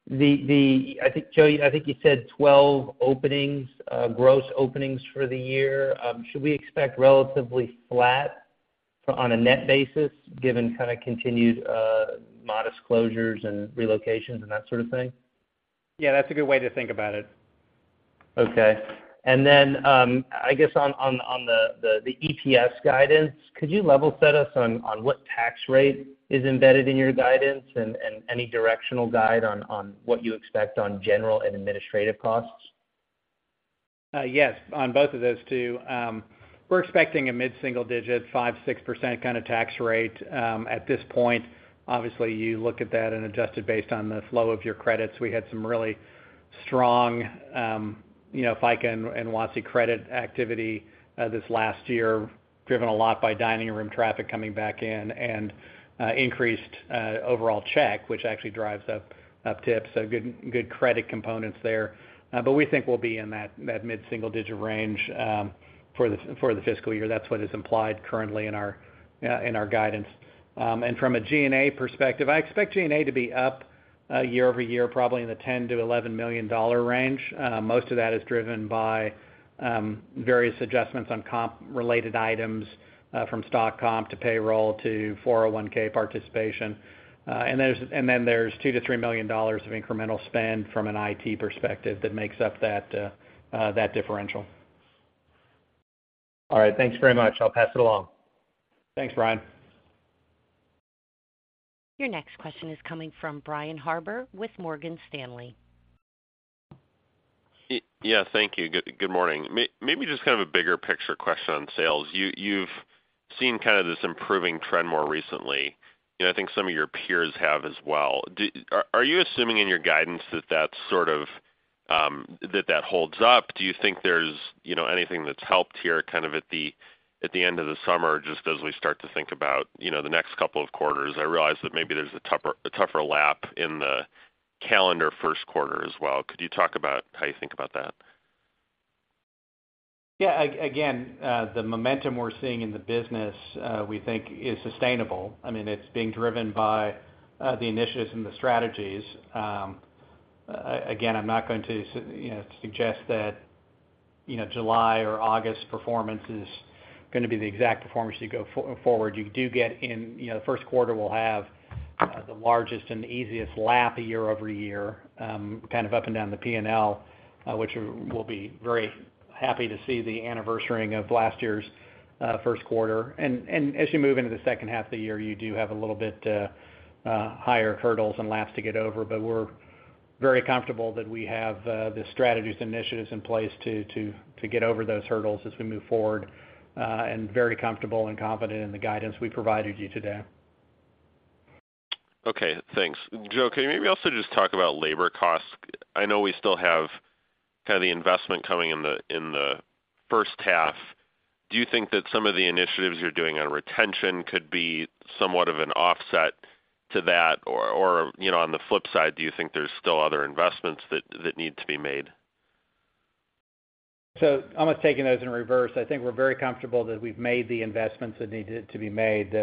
I: think, Joe, I think you said 12 openings, gross openings for the year. Should we expect relatively flat on a net basis, given kind of continued, modest closures and relocations and that sort of thing?
D: Yeah, that's a good way to think about it.
I: Okay. I guess on the EPS guidance, could you level set us on what tax rate is embedded in your guidance and any directional guide on what you expect on general and administrative costs?
D: Yes, on both of those two. We're expecting a mid-single digit, 5%-6% kind of tax rate at this point. Obviously, you look at that and adjust it based on the flow of your credits. We had some really strong, you know, FICA and WOTC credit activity this last year, driven a lot by dining and room traffic coming back in and increased overall check, which actually drives up, up tips. Good, good credit components there. We think we'll be in that, that mid-single digit range for the fiscal year. That's what is implied currently in our guidance. From a G&A perspective, I expect G&A to be up year-over-year, probably in the $10 million-$11 million range. Most of that is driven by various adjustments on comp-related items, from stock comp, to payroll, to 401(k) participation. Then there's $2 million-$3 million of incremental spend from an IT perspective that makes up that differential.
I: All right. Thanks very much. I'll pass it along.
D: Thanks, Brian.
A: Your next question is coming from Brian Harbour with Morgan Stanley.
J: Yeah, thank you. Good, good morning. Maybe just kind of a bigger picture question on sales. You, you've seen kind of this improving trend more recently, and I think some of your peers have as well. Are you assuming in your guidance that that's sort of, that, that holds up? Do you think there's, you know, anything that's helped here, kind of at the, at the end of the summer, just as we start to think about, you know, the next couple of quarters? I realize that maybe there's a tougher, a tougher lap in the calendar first quarter as well. Could you talk about how you think about that?
D: Yeah. Again, the momentum we're seeing in the business, we think is sustainable. I mean, it's being driven by the initiatives and the strategies. Again, I'm not going to you know, suggest that, you know, July or August performance is gonna be the exact performance you go forward. You do get in, you know, the first quarter will have the largest and the easiest lap a year-over-year, kind of up and down the P&L, which we'll be very happy to see the anniversarying of last year's first quarter. As you move into the second half of the year, you do have a little bit higher hurdles and laps to get over, but we're very comfortable that we have the strategies and initiatives in place to, to, to get over those hurdles as we move forward, and very comfortable and confident in the guidance we provided you today.
J: Okay, thanks. Joe, can you maybe also just talk about labor costs? I know we still have kind of the investment coming in the, in the first half. Do you think that some of the initiatives you're doing on retention could be somewhat of an offset to that? You know, on the flip side, do you think there's still other investments that need to be made?
D: I'm just taking those in reverse. I think we're very comfortable that we've made the investments that needed to be made.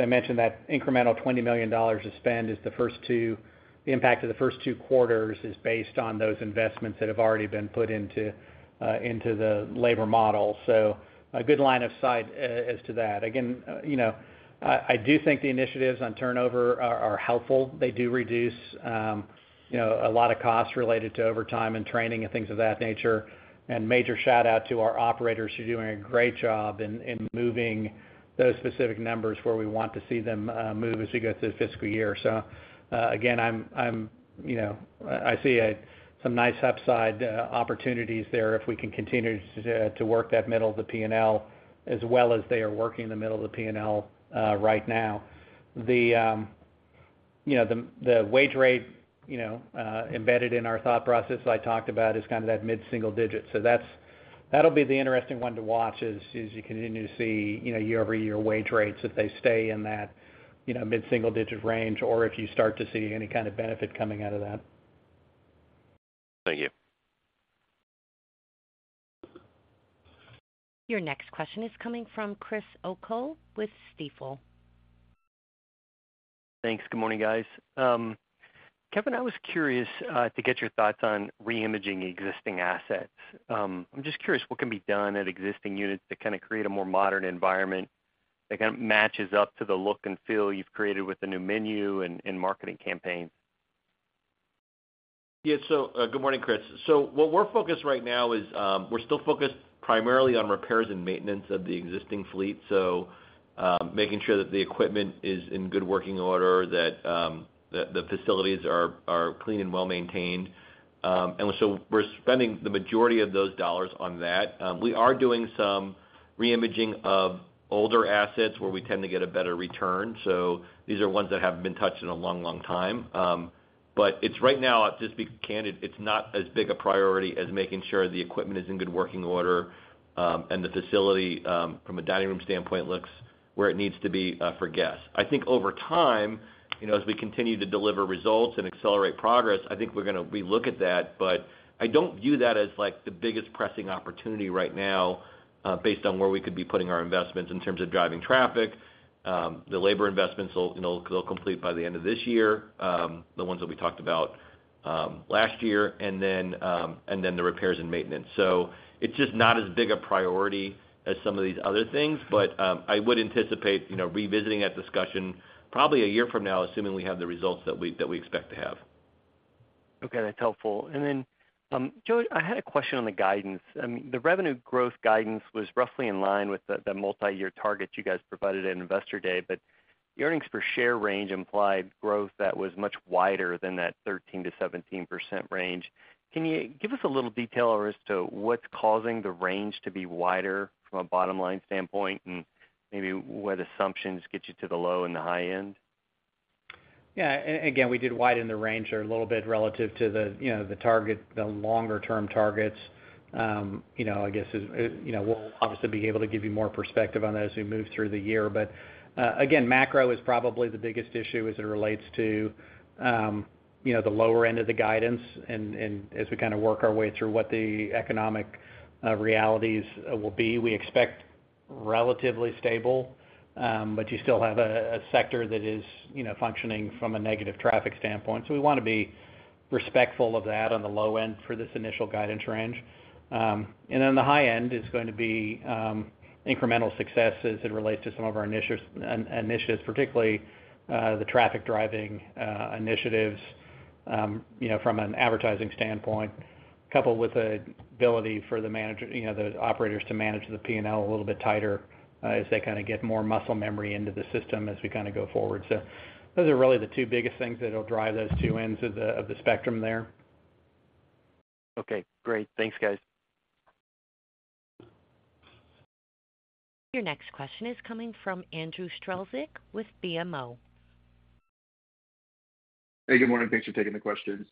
D: I mentioned that incremental $20 million to spend is the impact of the first two quarters is based on those investments that have already been put into, into the labor model. A good line of sight as to that. Again, you know, I do think the initiatives on turnover are, are helpful. They do reduce, you know, a lot of costs related to overtime and training and things of that nature, and major shout out to our operators who are doing a great job in, in moving those specific numbers where we want to see them, move as we go through the fiscal year. Again, I'm, I'm, you know, I, I see some nice upside opportunities there if we can continue to, to work that middle of the P&L, as well as they are working in the middle of the P&L, right now. The... you know, the, the wage rate, you know, embedded in our thought process that I talked about is kind of that mid-single digit. That'll be the interesting one to watch as, as you continue to see, you know, year-over-year wage rates, if they stay in that, you know, mid-single digit range, or if you start to see any kind of benefit coming out of that.
J: Thank you.
A: Your next question is coming from Chris O'Cull with Stifel.
K: Thanks. Good morning, guys. Kevin, I was curious to get your thoughts on reimaging existing assets. I'm just curious, what can be done at existing units to kind of create a more modern environment that kind of matches up to the look and feel you've created with the new menu and, and marketing campaign?
C: Yeah. Good morning, Chris. What we're focused right now is, we're still focused primarily on repairs and maintenance of the existing fleet. Making sure that the equipment is in good working order, that the facilities are clean and well-maintained. We're spending the majority of those dollars on that. We are doing some reimaging of older assets where we tend to get a better return. These are ones that haven't been touched in a long, long time. It's right now, just to be candid, it's not as big a priority as making sure the equipment is in good working order, and the facility, from a dining room standpoint, looks where it needs to be for guests. I think over time, you know, as we continue to deliver results and accelerate progress, I think we're gonna relook at that. I don't view that as, like, the biggest pressing opportunity right now, based on where we could be putting our investments in terms of driving traffic, the labor investments will, you know, they'll complete by the end of this year, the ones that we talked about last year, and then the repairs and maintenance. It's just not as big a priority as some of these other things, but I would anticipate, you know, revisiting that discussion probably a year from now, assuming we have the results that we, that we expect to have.
K: Okay, that's helpful. Then, Joe, I had a question on the guidance. The revenue growth guidance was roughly in line with the, the multiyear targets you guys provided at Investor Day, but the earnings per share range implied growth that was much wider than that 13%-17% range. Can you give us a little detail as to what's causing the range to be wider from a bottom-line standpoint, and maybe what assumptions get you to the low and the high end?
D: Yeah. Again, we did widen the range there a little bit relative to the, you know, the target, the longer term targets. You know, I guess, you know, we'll obviously be able to give you more perspective on that as we move through the year. Again, macro is probably the biggest issue as it relates to, you know, the lower end of the guidance and as we kind of work our way through what the economic realities will be. We expect relatively stable, but you still have a, a sector that is, you know, functioning from a negative traffic standpoint. We want to be respectful of that on the low end for this initial guidance range. And then the high end is going to be, incremental success as it relates to some of our initiatives, initiatives, particularly, the traffic-driving, initiatives, you know, from an advertising standpoint, coupled with the ability for the manager, you know, the operators to manage the P&L a little bit tighter, as they kind of get more muscle memory into the system as we kind of go forward. Those are really the two biggest things that'll drive those two ends of the, of the spectrum there.
K: Okay, great. Thanks, guys.
A: Your next question is coming from Andrew Strelzik with BMO.
L: Hey, good morning. Thanks for taking the questions.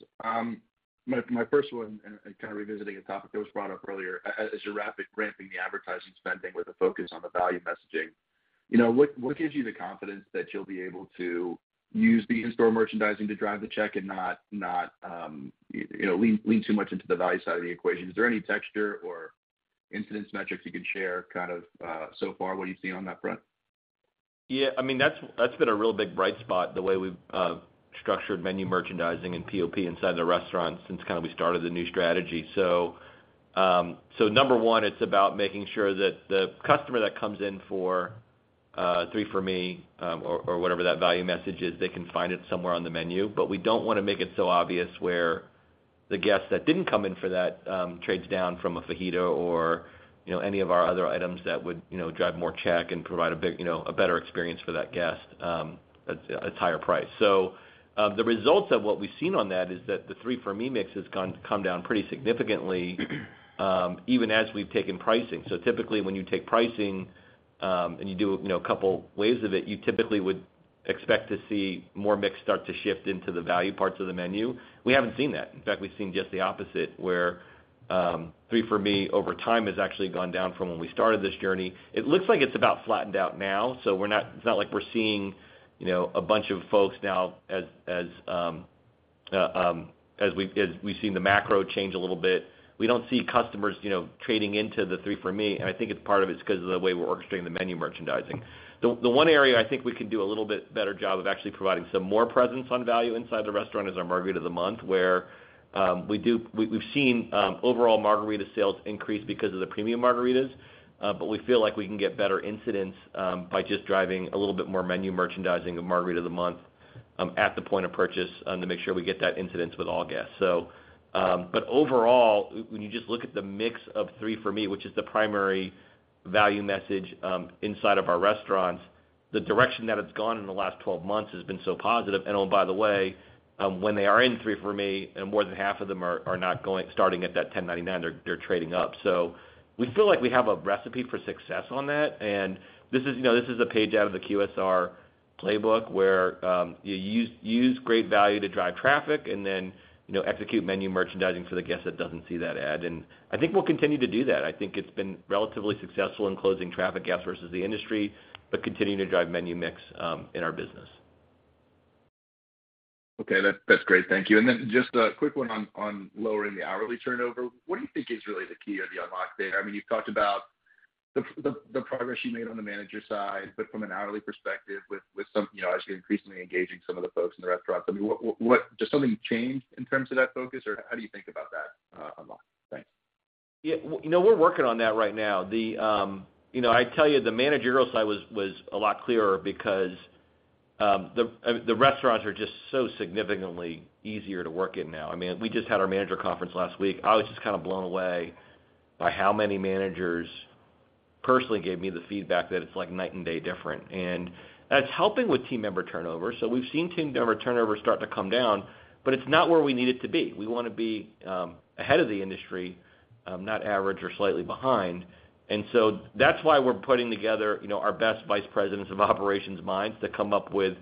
L: My, my first one, and, and kind of revisiting a topic that was brought up earlier, as you're ramping the advertising spending with a focus on the value messaging, you know, what, what gives you the confidence that you'll be able to use the in-store merchandising to drive the check and not, not, you know, lean, lean too much into the value side of the equation? Is there any texture or incidence metrics you can share, kind of, so far, what you're seeing on that front?
C: Yeah, I mean, that's, that's been a real big bright spot, the way we've structured menu merchandising and POP inside the restaurant since kind of we started the new strategy. Number one, it's about making sure that the customer that comes in for "3 for Me", or whatever that value message is, they can find it somewhere on the menu. We don't want to make it so obvious where the guest that didn't come in for that, trades down from a fajita or, you know, any of our other items that would, you know, drive more check and provide a big, a better experience for that guest, at, at higher price. The results of what we've seen on that is "3 for Me" mix has gone, come down pretty significantly, even as we've taken pricing. Typically, when you take pricing, and you do, you know, a couple ways of it, you typically would expect to see more mix start to shift into the value parts of the menu. We haven't seen that. In fact, we've seen just the opposite, where, "3 for Me", over time, has actually gone down from when we started this journey. It looks like it's about flattened out now, so we're not, it's not like we're seeing, you know, a bunch of folks now as, as, as we, as we've seen the macro change a little bit. We don't see customers, you know, trading into the "3 for Me", and I think it's part of it's because of the way we're orchestrating the menu merchandising. The one area I think we can do a little bit better job of actually providing some more presence on value inside the restaurant is our Margarita of the Month, where we've seen overall margarita sales increase because of the premium margaritas, but we feel like we can get better incidence by just driving a little bit more menu merchandising of Margarita of the Month at the point of purchase to make sure we get that incidence with all guests. Overall, when you just look at the mix of 3 For Me, which is the primary value message, inside of our restaurants, the direction that it's gone in the last 12 months has been so positive. Oh, by the way, when they are in Three For Me, and more than half of them are, are not starting at that $10.99, they're, they're trading up. We feel like we have a recipe for success on that. This is, you know, this is a page out of the QSR... playbook where you use, use great value to drive traffic and then, you know, execute menu merchandising for the guest that doesn't see that ad. I think we'll continue to do that. I think it's been relatively successful in closing traffic gaps versus the industry, but continuing to drive menu mix, in our business.
L: Okay, that, that's great. Thank you. Then just a quick one on, on lowering the hourly turnover. What do you think is really the key or the unlock there? I mean, you've talked about the, the, the progress you made on the manager side, but from an hourly perspective, with, with some, you know, as you're increasingly engaging some of the folks in the restaurants, I mean, what does something change in terms of that focus, or how do you think about that unlock? Thanks.
C: Yeah, well, you know, we're working on that right now. The, you know, I tell you, the managerial side was, was a lot clearer because, the, I mean, the restaurants are just so significantly easier to work in now. I mean, we just had our manager conference last week. I was just kind of blown away by how many managers personally gave me the feedback that it's like night and day different. That's helping with team member turnover. We've seen team member turnover start to come down, but it's not where we need it to be. We want to be ahead of the industry, not average or slightly behind. That's why we're putting together, you know, our best vice presidents of operations minds to come up with, you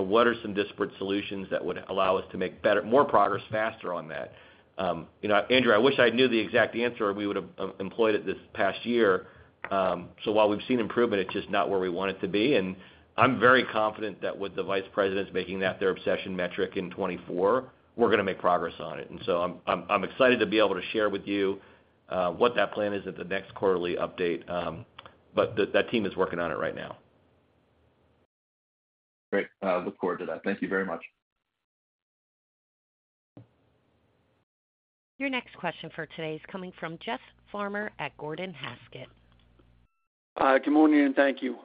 C: know, what are some disparate solutions that would allow us to make better, more progress faster on that. You know, Andrew, I wish I knew the exact answer, and we would have employed it this past year. While we've seen improvement, it's just not where we want it to be. I'm very confident that with the vice presidents making that their obsession metric in 2024, we're going to make progress on it. I'm, I'm, I'm excited to be able to share with you what that plan is at the next quarterly update. The, that team is working on it right now.
L: Great. I look forward to that. Thank you very much.
A: Your next question for today is coming from Jeff Farmer at Gordon Haskett.
M: Hi, good morning, thank you.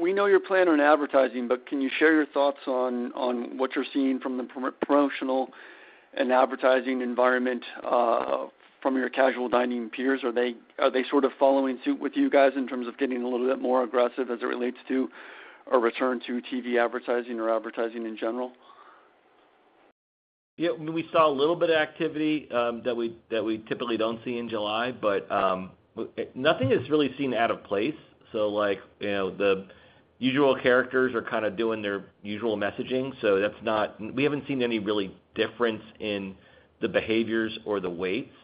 M: We know your plan on advertising, can you share your thoughts on what you're seeing from the promotional and advertising environment from your casual dining peers? Are they sort of following suit with you guys in terms of getting a little bit more aggressive as it relates to a return to TV advertising or advertising in general?
C: We saw a little bit of activity, that we, that we typically don't see in July, but nothing is really seen out of place. Like, you know, the usual characters are kind of doing their usual messaging, that's not. We haven't seen any really difference in the behaviors or the weights.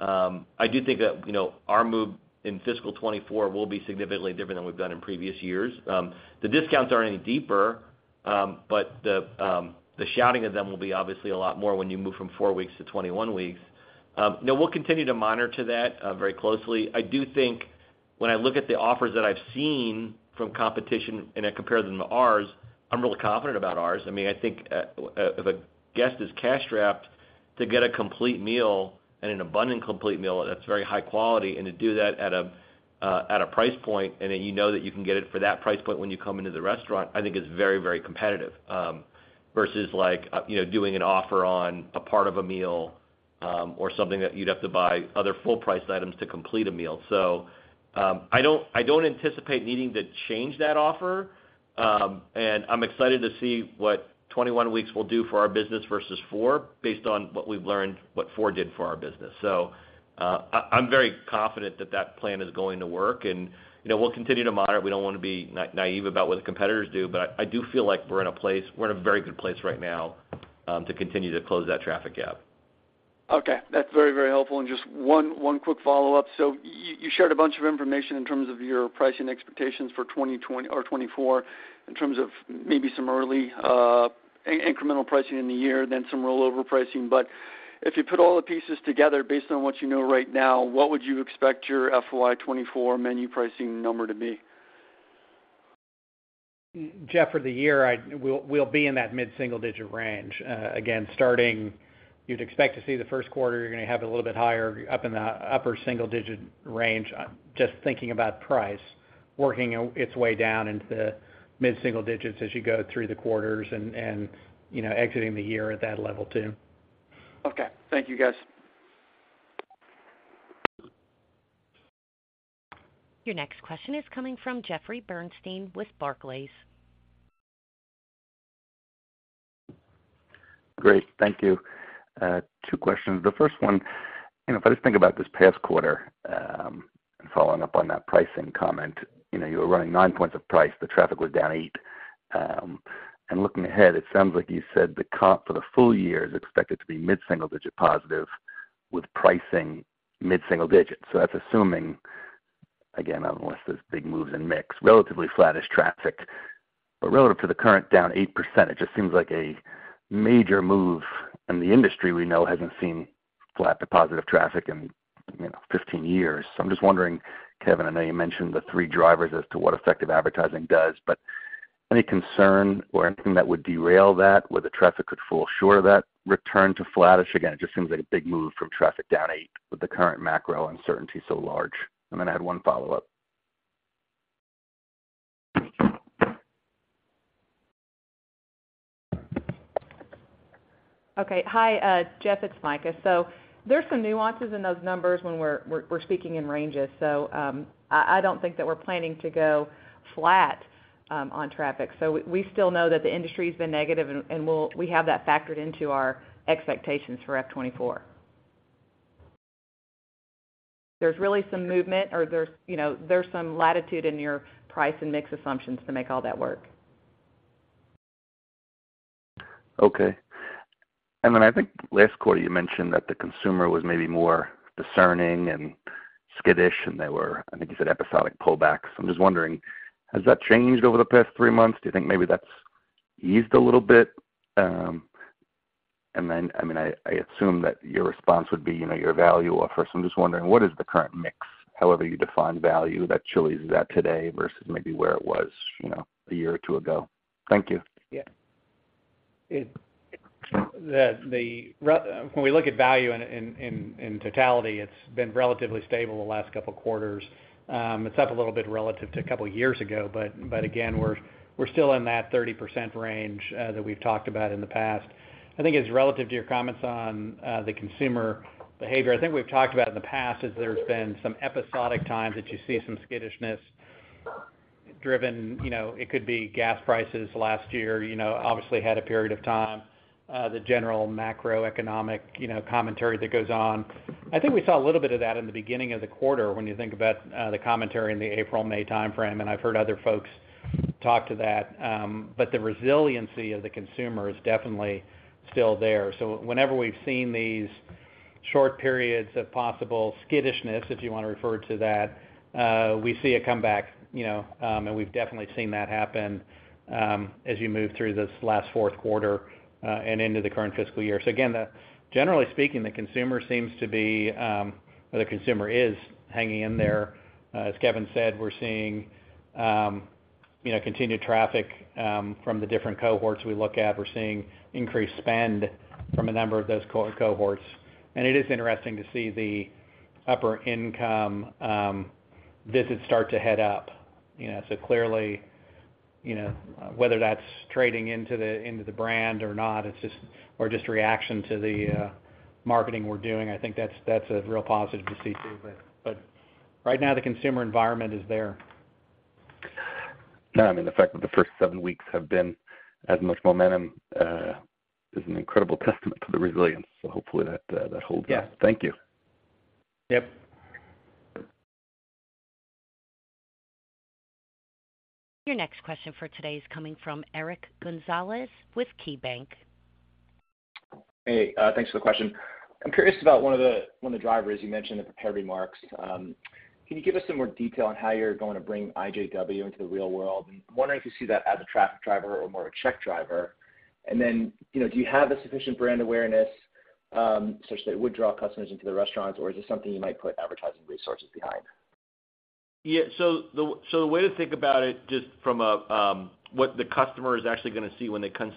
C: I do think that, you know, our move in fiscal 2024 will be significantly different than we've done in previous years. The discounts aren't any deeper, but the, the shouting of them will be obviously a lot more when you move from four weeks to 21 weeks. We'll continue to monitor that very closely. I do think when I look at the offers that I've seen from competition and I compare them to ours, I'm really confident about ours. I mean, I think, if a guest is cash-strapped to get a complete meal and an abundant complete meal that's very high quality, and to do that at a price point, and then you know that you can get it for that price point when you come into the restaurant, I think is very, very competitive. Versus like, you know, doing an offer on a part of a meal, or something that you'd have to buy other full price items to complete a meal. I don't, I don't anticipate needing to change that offer, and I'm excited to see what 21 weeks will do for our business versus four, based on what we've learned, what four did for our business. I, I'm very confident that that plan is going to work, and, you know, we'll continue to monitor. We don't want to be naive about what the competitors do, but I, I do feel like we're in a very good place right now, to continue to close that traffic gap.
M: Okay. That's very, very helpful. And just one, one quick follow-up. You shared a bunch of information in terms of your pricing expectations for 2024, in terms of maybe some early, incremental pricing in the year, then some rollover pricing. If you put all the pieces together, based on what you know right now, what would you expect your FY 2024 menu pricing number to be?
D: Jeff, for the year, we'll, we'll be in that mid-single digit range. Again, starting, you'd expect to see the first quarter, you're going to have a little bit higher, up in the upper single digit range, just thinking about price, working its way down into the mid-single digits as you go through the quarters and, and, you know, exiting the year at that level, too.
M: Okay. Thank you, guys.
A: Your next question is coming from Jeffrey Bernstein with Barclays.
N: Great. Thank you. Two questions. The first one, you know, if I just think about this past quarter, following up on that pricing comment, you know, you were running nine points of price, the traffic was down eight. Looking ahead, it sounds like you said the comp for the full year is expected to be mid-single-digit positive, with pricing mid-single digits. That's assuming, again, unless there's big moves in mix, relatively flattish traffic. Relative to the current down 8%, it just seems like a major move, and the industry we know hasn't seen flat to positive traffic in, you know, 15 years. I'm just wondering, Kevin, I know you mentioned the three drivers as to what effective advertising does, but any concern or anything that would derail that, where the traffic could fall short of that return to flattish? It just seems like a big move from traffic down eight with the current macro uncertainty so large. I had 1 follow-up.
B: Hi, Jeff, it's Mika. There's some nuances in those numbers when we're, we're, we're speaking in ranges. I, I don't think that we're planning to go flat on traffic. We, we still know that the industry has been negative, and, and we have that factored into our expectations for F-2024. There's really some movement or there's, you know, there's some latitude in your price and mix assumptions to make all that work.
N: Okay. Then I think last quarter, you mentioned that the consumer was maybe more discerning and skittish, and they were, I think, you said, episodic pullbacks. I'm just wondering, has that changed over the past three months? Do you think maybe that's eased a little bit? Then, I mean, I, I assume that your response would be, you know, you're a value offer, so I'm just wondering, what is the current mix, however you define value, that Chili's is at today versus maybe where it was, you know, a year or two ago? Thank you.
D: Yeah. The, when we look at value in, in, in, in totality, it's been relatively stable the last couple of quarters. It's up a little bit relative to a couple of years ago, but, but again, we're, we're still in that 30% range that we've talked about in the past. I think it's relative to your comments on the consumer behavior. I think we've talked about in the past, is there's been some episodic times that you see some skittishness driven, you know, it could be gas prices last year, you know, obviously had a period of time, the general macroeconomic, you know, commentary that goes on. I think we saw a little bit of that in the beginning of the quarter when you think about the commentary in the April-May timeframe, and I've heard other folks talk to that. The resiliency of the consumer is definitely still there. Whenever we've seen these short periods of possible skittishness, if you want to refer to that, we see a comeback, you know, and we've definitely seen that happen as you move through this last fourth quarter and into the current fiscal year. Again, generally speaking, the consumer seems to be or the consumer is hanging in there. As Kevin said, we're seeing, you know, continued traffic from the different cohorts we look at. We're seeing increased spend from a number of those cohorts, and it is interesting to see the upper income visits start to head up. You know, clearly, you know, whether that's trading into the, into the brand or not, it's just or just a reaction to the marketing we're doing, I think that's, that's a real positive to see, too. Right now, the consumer environment is there.
N: No, I mean, the fact that the first seven weeks have been as much momentum, is an incredible testament to the resilience. Hopefully that, that holds.
D: Yeah.
N: Thank you.
D: Yep.
A: Your next question for today is coming from Eric Gonzalez with KeyBanc.
O: Hey, thanks for the question. I'm curious about one of the, one of the drivers you mentioned in the prepared remarks. Can you give us some more detail on how you're going to bring IJW into the real world? I'm wondering if you see that as a traffic driver or more a check driver. Then, you know, do you have the sufficient brand awareness, such that it would draw customers into the restaurants, or is this something you might put advertising resources behind?
C: Yeah, so the, so the way to think about it, just from a what the customer is actually gonna see when they come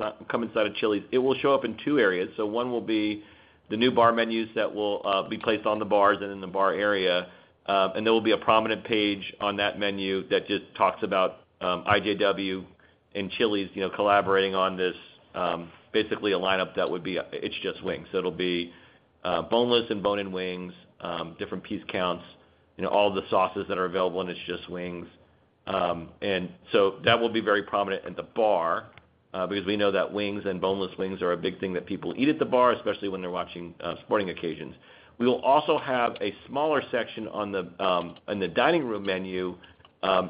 C: inside of Chili's, it will show up in two areas. One will be the new bar menus that will be placed on the bars and in the bar area, and there will be a prominent page on that menu that just talks about IJW and Chili's, you know, collaborating on this basically a lineup that would be It's Just Wings. It'll be boneless and bone-in wings, different piece counts, you know, all the sauces that are available in It's Just Wings. That will be very prominent at the bar, because we know that wings and boneless wings are a big thing that people eat at the bar, especially when they're watching sporting occasions. We will also have a smaller section on the dining room menu,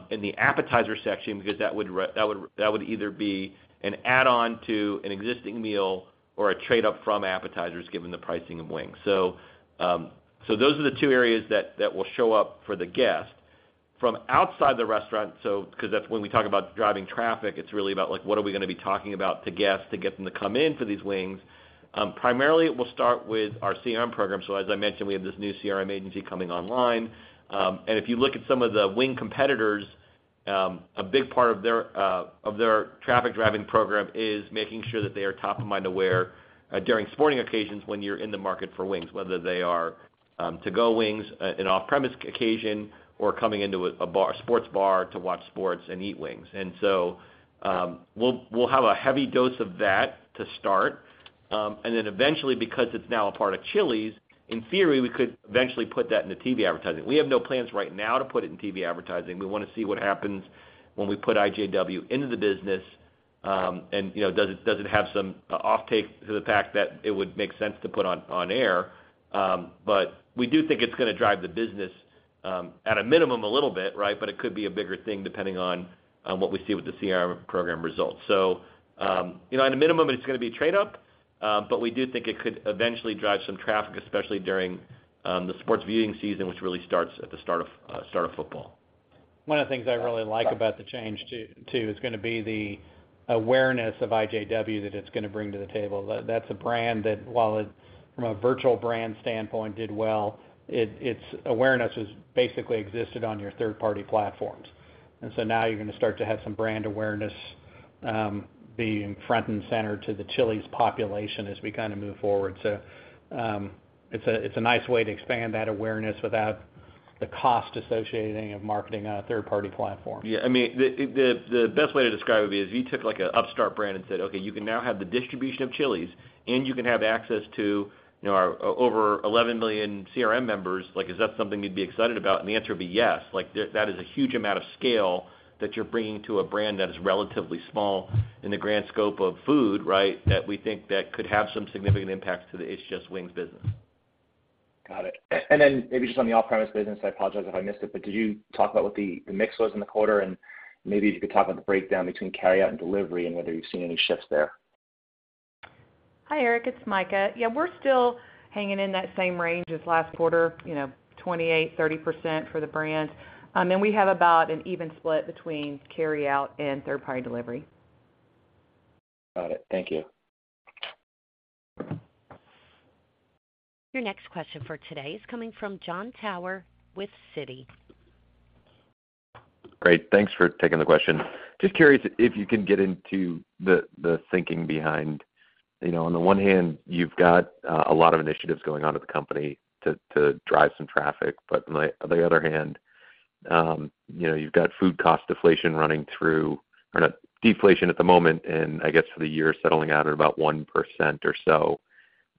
C: in the appetizer section, because that would either be an add-on to an existing meal or a trade up from appetizers, given the pricing of wings. Those are the two areas that, that will show up for the guest. From outside the restaurant, so, because that's when we talk about driving traffic, it's really about like, what are we gonna be talking about to guests to get them to come in for these wings? Primarily, we'll start with our CRM program. As I mentioned, we have this new CRM agency coming online. If you look at some of the wing competitors, a big part of their traffic driving program is making sure that they are top of mind aware during sporting occasions when you're in the market for wings, whether they are to-go wings, an off-premise occasion, or coming into a sports bar to watch sports and eat wings. We'll have a heavy dose of that to start. Eventually, because it's now a part of Chili's, in theory, we could eventually put that in the TV advertising. We have no plans right now to put it in TV advertising. We want to see what happens when we put IJW into the business, and, you know, does it have some offtake to the fact that it would make sense to put on, on air? We do think it's gonna drive the business, at a minimum, a little bit, right? It could be a bigger thing, depending on, on what we see with the CRM program results. You know, at a minimum, it's gonna be a trade-up, but we do think it could eventually drive some traffic, especially during the sports viewing season, which really starts at the start of football.
D: One of the things I really like about the change, too, is gonna be the awareness of IJW that it's gonna bring to the table. That's a brand that while it, from a virtual brand standpoint, did well, it its awareness is basically existed on your third-party platforms. Now you're gonna start to have some brand awareness, being front and center to the Chili's population as we kind of move forward. It's a, it's a nice way to expand that awareness without the cost associated of marketing on a third-party platform.
C: Yeah, I mean, the, the, the best way to describe it would be if you took, like, an upstart brand and said, "Okay, you can now have the distribution of Chili's, and you can have access to, you know, our over 11 million CRM members, like, is that something you'd be excited about?" The answer would be yes. Like, that is a huge amount of scale that you're bringing to a brand that is relatively small in the grand scope of food, right? That we think that could have some significant impact to the It's Just Wings business.
P: Got it. Then maybe just on the off-premise business, I apologize if I missed it, but did you talk about what the, the mix was in the quarter? Maybe if you could talk about the breakdown between carryout and delivery and whether you've seen any shifts there.
D: Hi, Eric, it's Mika. Yeah, we're still hanging in that same range as last quarter, you know, 28%-30% for the brand. We have about an even split between carryout and third-party delivery.
P: Got it. Thank you.
A: Your next question for today is coming from Jon Tower with Citi.
Q: Great, thanks for taking the question. Just curious if you can get into the, the thinking behind, you know, on the one hand, you've got a lot of initiatives going on at the company to, to drive some traffic. On the other hand, you know, you've got food cost deflation running through or no, deflation at the moment, and I guess for the year, settling out at about 1% or so,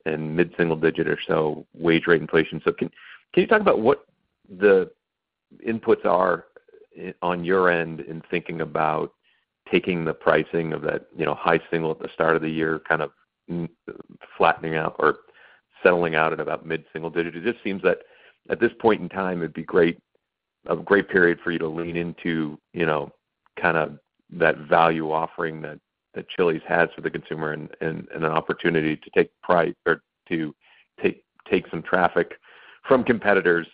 Q: and mid-single digit or so wage rate inflation. Can, can you talk about what the inputs are on your end in thinking about taking the pricing of that, you know, high single at the start of the year, kind of flattening out or settling out at about mid-single digit? It just seems that at this point in time, it'd be a great period for you to lean into, you know, kind of that value offering that, that Chili's has for the consumer and, and, and an opportunity to take price or to take, take some traffic from competitors.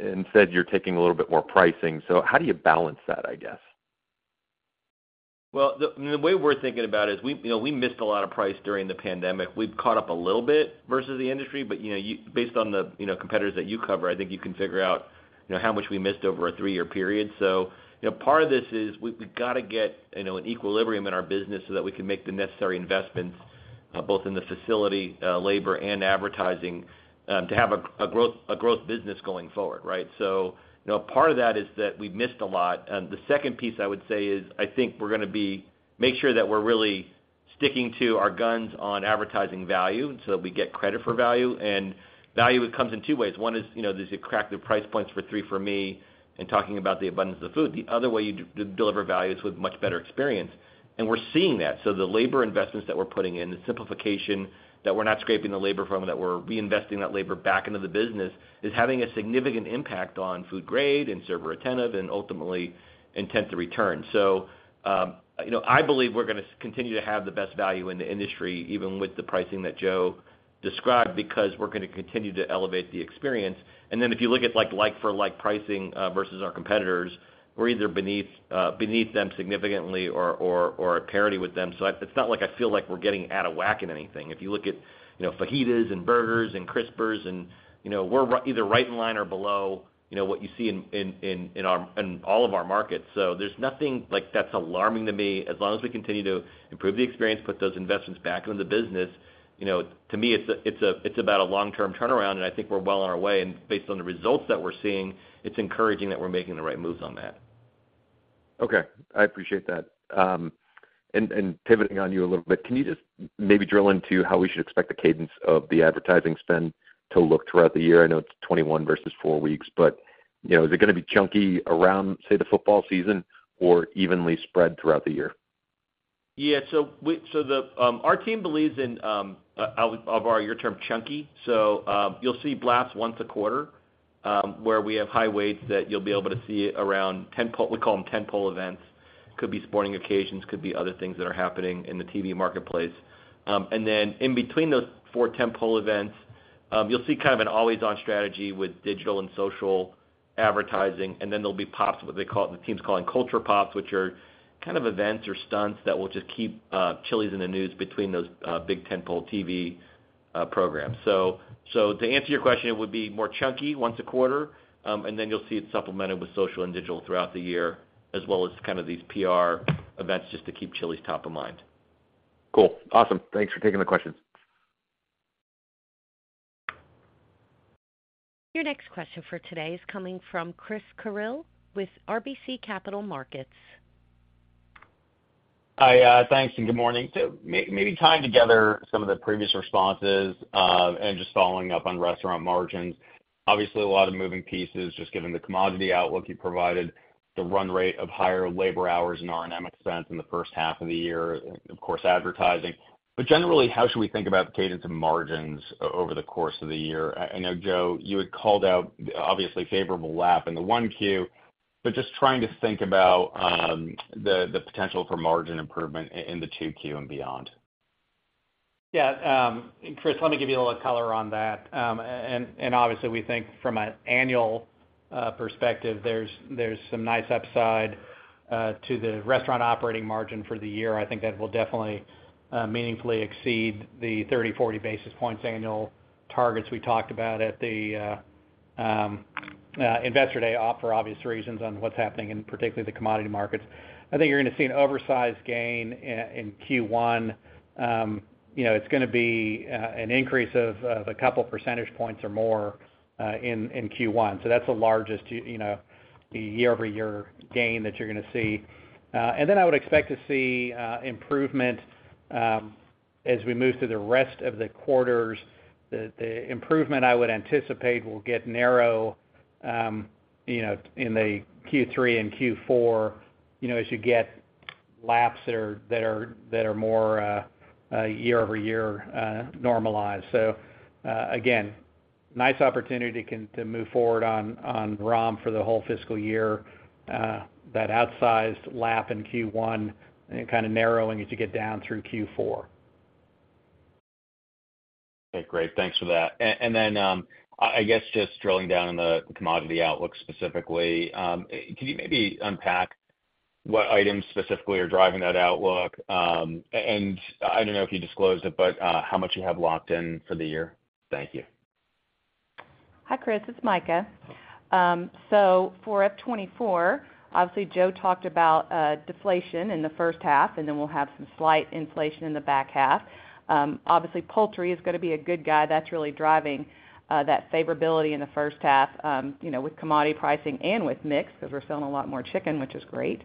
Q: Instead, you're taking a little bit more pricing. How do you balance that, I guess?
C: The, the way we're thinking about it is we, you know, we missed a lot of price during the pandemic. We've caught up a little bit versus the industry, but, you know, you-- based on the, you know, competitors that you cover, I think you can figure out, you know, how much we missed over a three-year period. Part of this is we, we've got to get, you know, an equilibrium in our business so that we can make the necessary investments, both in the facility, labor, and advertising, to have a, a growth, a growth business going forward, right? Part of that is that we've missed a lot. The second piece I would say is, I think we're going to be... Make sure that we're really sticking to our guns on advertising value, we get credit for value. Value, it comes in two ways. One is, you know, there's a crack the price points for "3 for Me", and talking about the abundance of food. The other way you deliver value is with much better experience, and we're seeing that. The labor investments that we're putting in, the simplification that we're not scraping the labor from, that we're reinvesting that labor back into the business, is having a significant impact on food grade and server attentive and ultimately intent to return. You know, I believe we're going to continue to have the best value in the industry, even with the pricing that Joe described, because we're going to continue to elevate the experience. If you look at like, like-for-like pricing, versus our competitors, we're either beneath, beneath them significantly or, or, or at parity with them. It, it's not like I feel like we're getting out of whack in anything. If you look at, you know, fajitas and burgers and Crispers and, you know, we're either right in line or below, you know, what you see in, in, in, in our, in all of our markets. There's nothing like, that's alarming to me. As long as we continue to improve the experience, put those investments back in the business, you know, to me, it's a, it's a, it's about a long-term turnaround, and I think we're well on our way. Based on the results that we're seeing, it's encouraging that we're making the right moves on that.
Q: Okay, I appreciate that. Pivoting on you a little bit, can you just maybe drill into how we should expect the cadence of the advertising spend to look throughout the year? I know it's 21 versus four weeks, but, you know, is it going to be chunky around, say, the football season or evenly spread throughout the year?
C: Yeah. We so the, our team believes in, of our your term, chunky. You'll see blasts once a quarter, where we have high weights that you'll be able to see around tentpole we call them tentpole events. Could be sporting occasions, could be other things that are happening in the TV marketplace. Then in between those four tentpole events, you'll see kind of an always-on strategy with digital and social advertising. Then there'll be pops, what they call the team's calling culture pops, which are kind of events or stunts that will just keep, Chili's in the news between those, big tentpole TV, programs. To answer your question, it would be more chunky once a quarter, and then you'll see it supplemented with social and digital throughout the year, as well as kind of these PR events just to keep Chili's top of mind.
Q: Cool. Awesome. Thanks for taking the question.
A: Your next question for today is coming from Chris Carril with RBC Capital Markets.
R: Hi, thanks, and good morning. Maybe tying together some of the previous responses, and just following up on restaurant margins. Obviously, a lot of moving pieces, just given the commodity outlook you provided, the run rate of higher labor hours and R&M expense in the first half of the year, of course, advertising. Generally, how should we think about the cadence of margins over the course of the year? I know, Joe, you had called out obviously favorable lap in the 1Q, but just trying to think about the potential for margin improvement in the 2Q and beyond.
D: Yeah, Chris, let me give you a little color on that. Obviously, we think from an annual perspective, there's some nice upside to the restaurant operating margin for the year. I think that will definitely meaningfully exceed the 30-40 basis points annual targets we talked about at the Investor Day for obvious reasons on what's happening in particularly the commodity markets. I think you're going to see an oversized gain in Q1. You know, it's going to be an increase of two percentage points or more in Q1. That's the largest, you know, year-over-year gain that you're going to see. And then I would expect to see improvement as we move through the rest of the quarters. The, the improvement I would anticipate will get narrow, you know, in the Q3 and Q4, you know, as you get-.... laps that are, that are, that are more, year-over-year normalized. Again, nice opportunity to move forward on, on ROM for the whole fiscal year. That outsized lap in Q1, and kind of narrowing as you get down through Q4.
S: Okay, great. Thanks for that. Then, I guess just drilling down on the commodity outlook specifically, can you maybe unpack what items specifically are driving that outlook? I don't know if you disclosed it, but how much you have locked in for the year? Thank you.
B: Hi, Chris, it's Mika. For F24, obviously, Joe talked about deflation in the first half, and then we'll have some slight inflation in the back half. Obviously, poultry is gonna be a good guy that's really driving that favorability in the first half, you know, with commodity pricing and with mix, because we're selling a lot more chicken, which is great.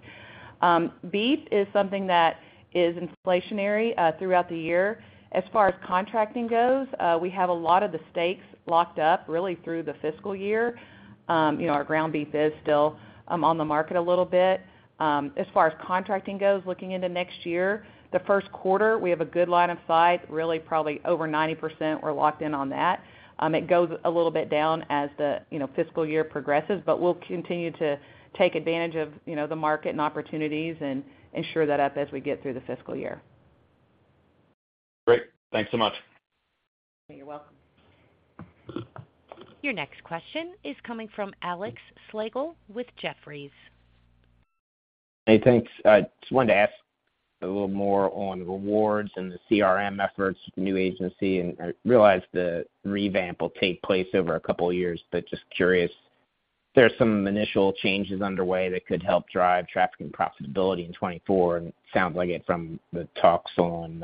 B: Beef is something that is inflationary throughout the year. As far as contracting goes, we have a lot of the steaks locked up, really through the fiscal year. You know, our ground beef is still on the market a little bit. As far as contracting goes, looking into next year, the first quarter, we have a good line of sight, really, probably over 90%, we're locked in on that. It goes a little bit down as the, you know, fiscal year progresses, but we'll continue to take advantage of, you know, the market and opportunities and ensure that up as we get through the fiscal year.
S: Great. Thanks so much.
B: You're welcome.
A: Your next question is coming from Alexander Slagle with Jefferies.
T: Hey, thanks. I just wanted to ask a little more on rewards and the CRM efforts, new agency, and I realize the revamp will take place over a couple of years, but just curious, there are some initial changes underway that could help drive traffic and profitability in 2024, and it sounds like it from the talks on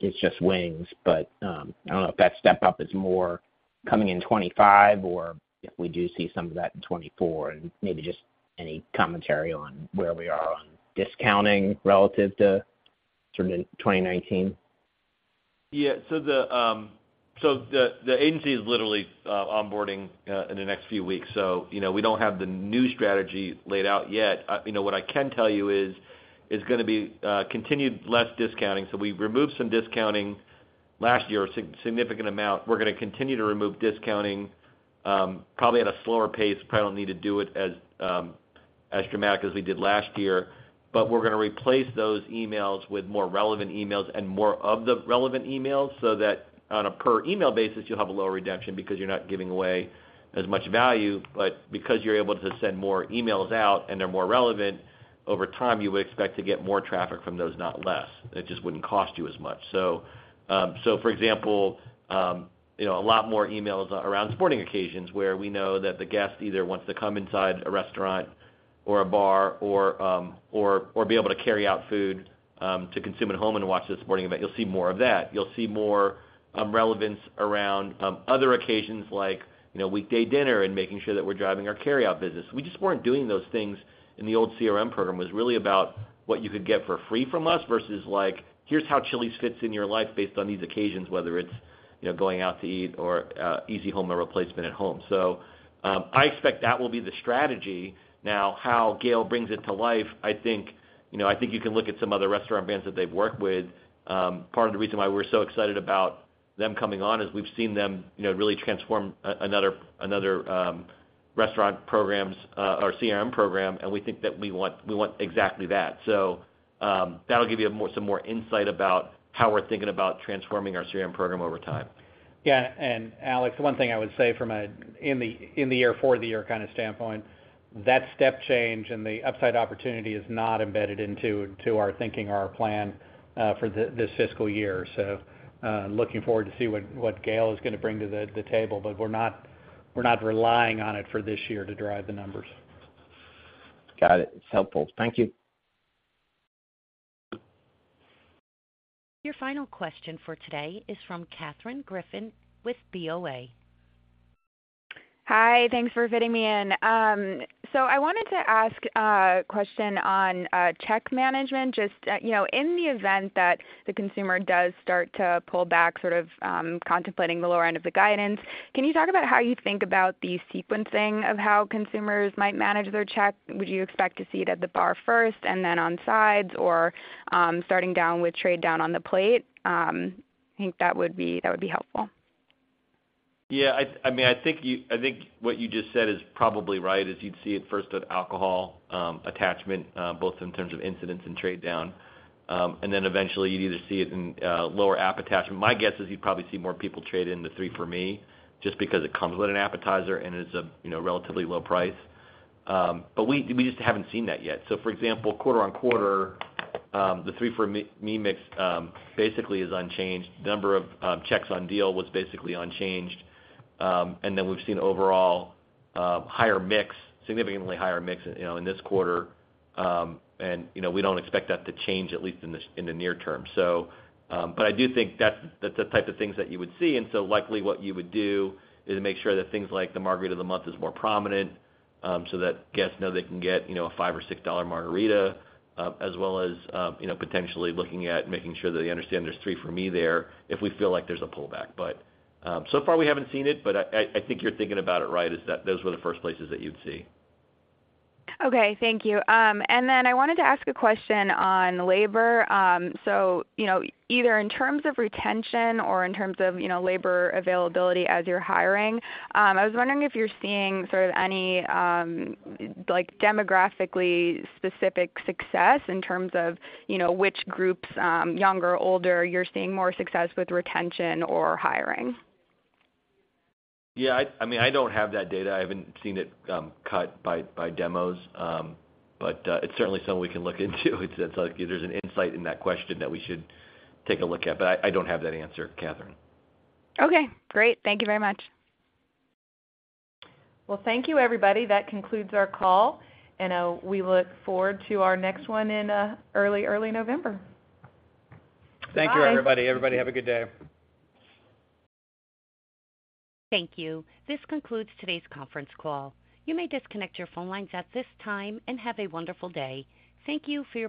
T: It's Just Wings. I don't know if that step up is more coming in 2025 or if we do see some of that in 2024, and maybe just any commentary on where we are on discounting relative to sort of in 2019.
C: Yeah. The, so the, the agency is literally onboarding in the next few weeks. You know, we don't have the new strategy laid out yet. You know, what I can tell you is, it's gonna be continued less discounting. We removed some discounting last year, a significant amount. We're gonna continue to remove discounting, probably at a slower pace, probably don't need to do it as dramatic as we did last year. We're gonna replace those emails with more relevant emails and more of the relevant emails, so that on a per email basis, you'll have a lower redemption because you're not giving away as much value. Because you're able to send more emails out and they're more relevant, over time, you would expect to get more traffic from those, not less. It just wouldn't cost you as much. For example, you know, a lot more emails around sporting occasions where we know that the guest either wants to come inside a restaurant or a bar or, or be able to carry out food to consume at home and watch the sporting event. You'll see more of that. You'll see more relevance around other occasions like, you know, weekday dinner and making sure that we're driving our carryout business. We just weren't doing those things in the old CRM program. It was really about what you could get for free from us versus like, "Here's how Chili's fits in your life based on these occasions," whether it's, you know, going out to eat or easy home replacement at home. I expect that will be the strategy. How GALE brings it to life, I think, you know, I think you can look at some other restaurant brands that they've worked with. Part of the reason why we're so excited about them coming on is we've seen them, you know, really transform another, another, restaurant programs, or CRM program, and we think that we want, we want exactly that. That'll give you a more, some more insight about how we're thinking about transforming our CRM program over time.
D: Yeah, Alex, one thing I would say from in the year, for the year kind of standpoint, that step change and the upside opportunity is not embedded into our thinking or our plan for this fiscal year. Looking forward to see what GALE is gonna bring to the table, we're not relying on it for this year to drive the numbers.
T: Got it. It's helpful. Thank you.
A: Your final question for today is from Sara Senatore with BOA.
U: Hi, thanks for fitting me in. I wanted to ask a question on check management. Just, you know, in the event that the consumer does start to pull back, sort of, contemplating the lower end of the guidance, can you talk about how you think about the sequencing of how consumers might manage their check? Would you expect to see it at the bar first and then on sides, or starting down with trade down on the plate? I think that would be, that would be helpful.
C: Yeah, I mean, I think what you just said is probably right, is you'd see it first at alcohol attachment, both in terms of incidents and trade down. Then eventually, you'd either see it in lower app attachment. My guess is you'd probably see more people trade in the Three For Me, just because it comes with an appetizer and is a, you know, relatively low price. We just haven't seen that yet. For example, quarter-on-quarter, the Three For Me mix basically is unchanged. The number of checks on deal was basically unchanged. Then we've seen overall higher mix, significantly higher mix, you know, in this quarter. You know, we don't expect that to change, at least in the near term. But I do think that's, that's the type of things that you would see. Likely what you would do is make sure that things like the Margarita of the Month is more prominent, so that guests know they can get, you know, a $5 or $6 margarita, as well as, you know, potentially looking at making sure that they understand there's Three For Me there, if we feel like there's a pullback. So far we haven't seen it, but I, I, I think you're thinking about it right, is that those were the first places that you'd see.
U: Okay, thank you. Then I wanted to ask a question on labor. You know, either in terms of retention or in terms of, you know, labor availability as you're hiring, I was wondering if you're seeing sort of any, like, demographically specific success in terms of, you know, which groups, younger or older, you're seeing more success with retention or hiring?
C: Yeah, I, I mean, I don't have that data. I haven't seen it, cut by, by demos. It's certainly something we can look into. It's like there's an insight in that question that we should take a look at, but I, I don't have that answer, Catherine.
U: Okay, great. Thank you very much.
B: Well, thank you, everybody. That concludes our call, and we look forward to our next one in early, early November. Bye.
C: Thank you, everybody. Everybody, have a good day.
A: Thank you. This concludes today's conference call. You may disconnect your phone lines at this time, and have a wonderful day. Thank you for your participation.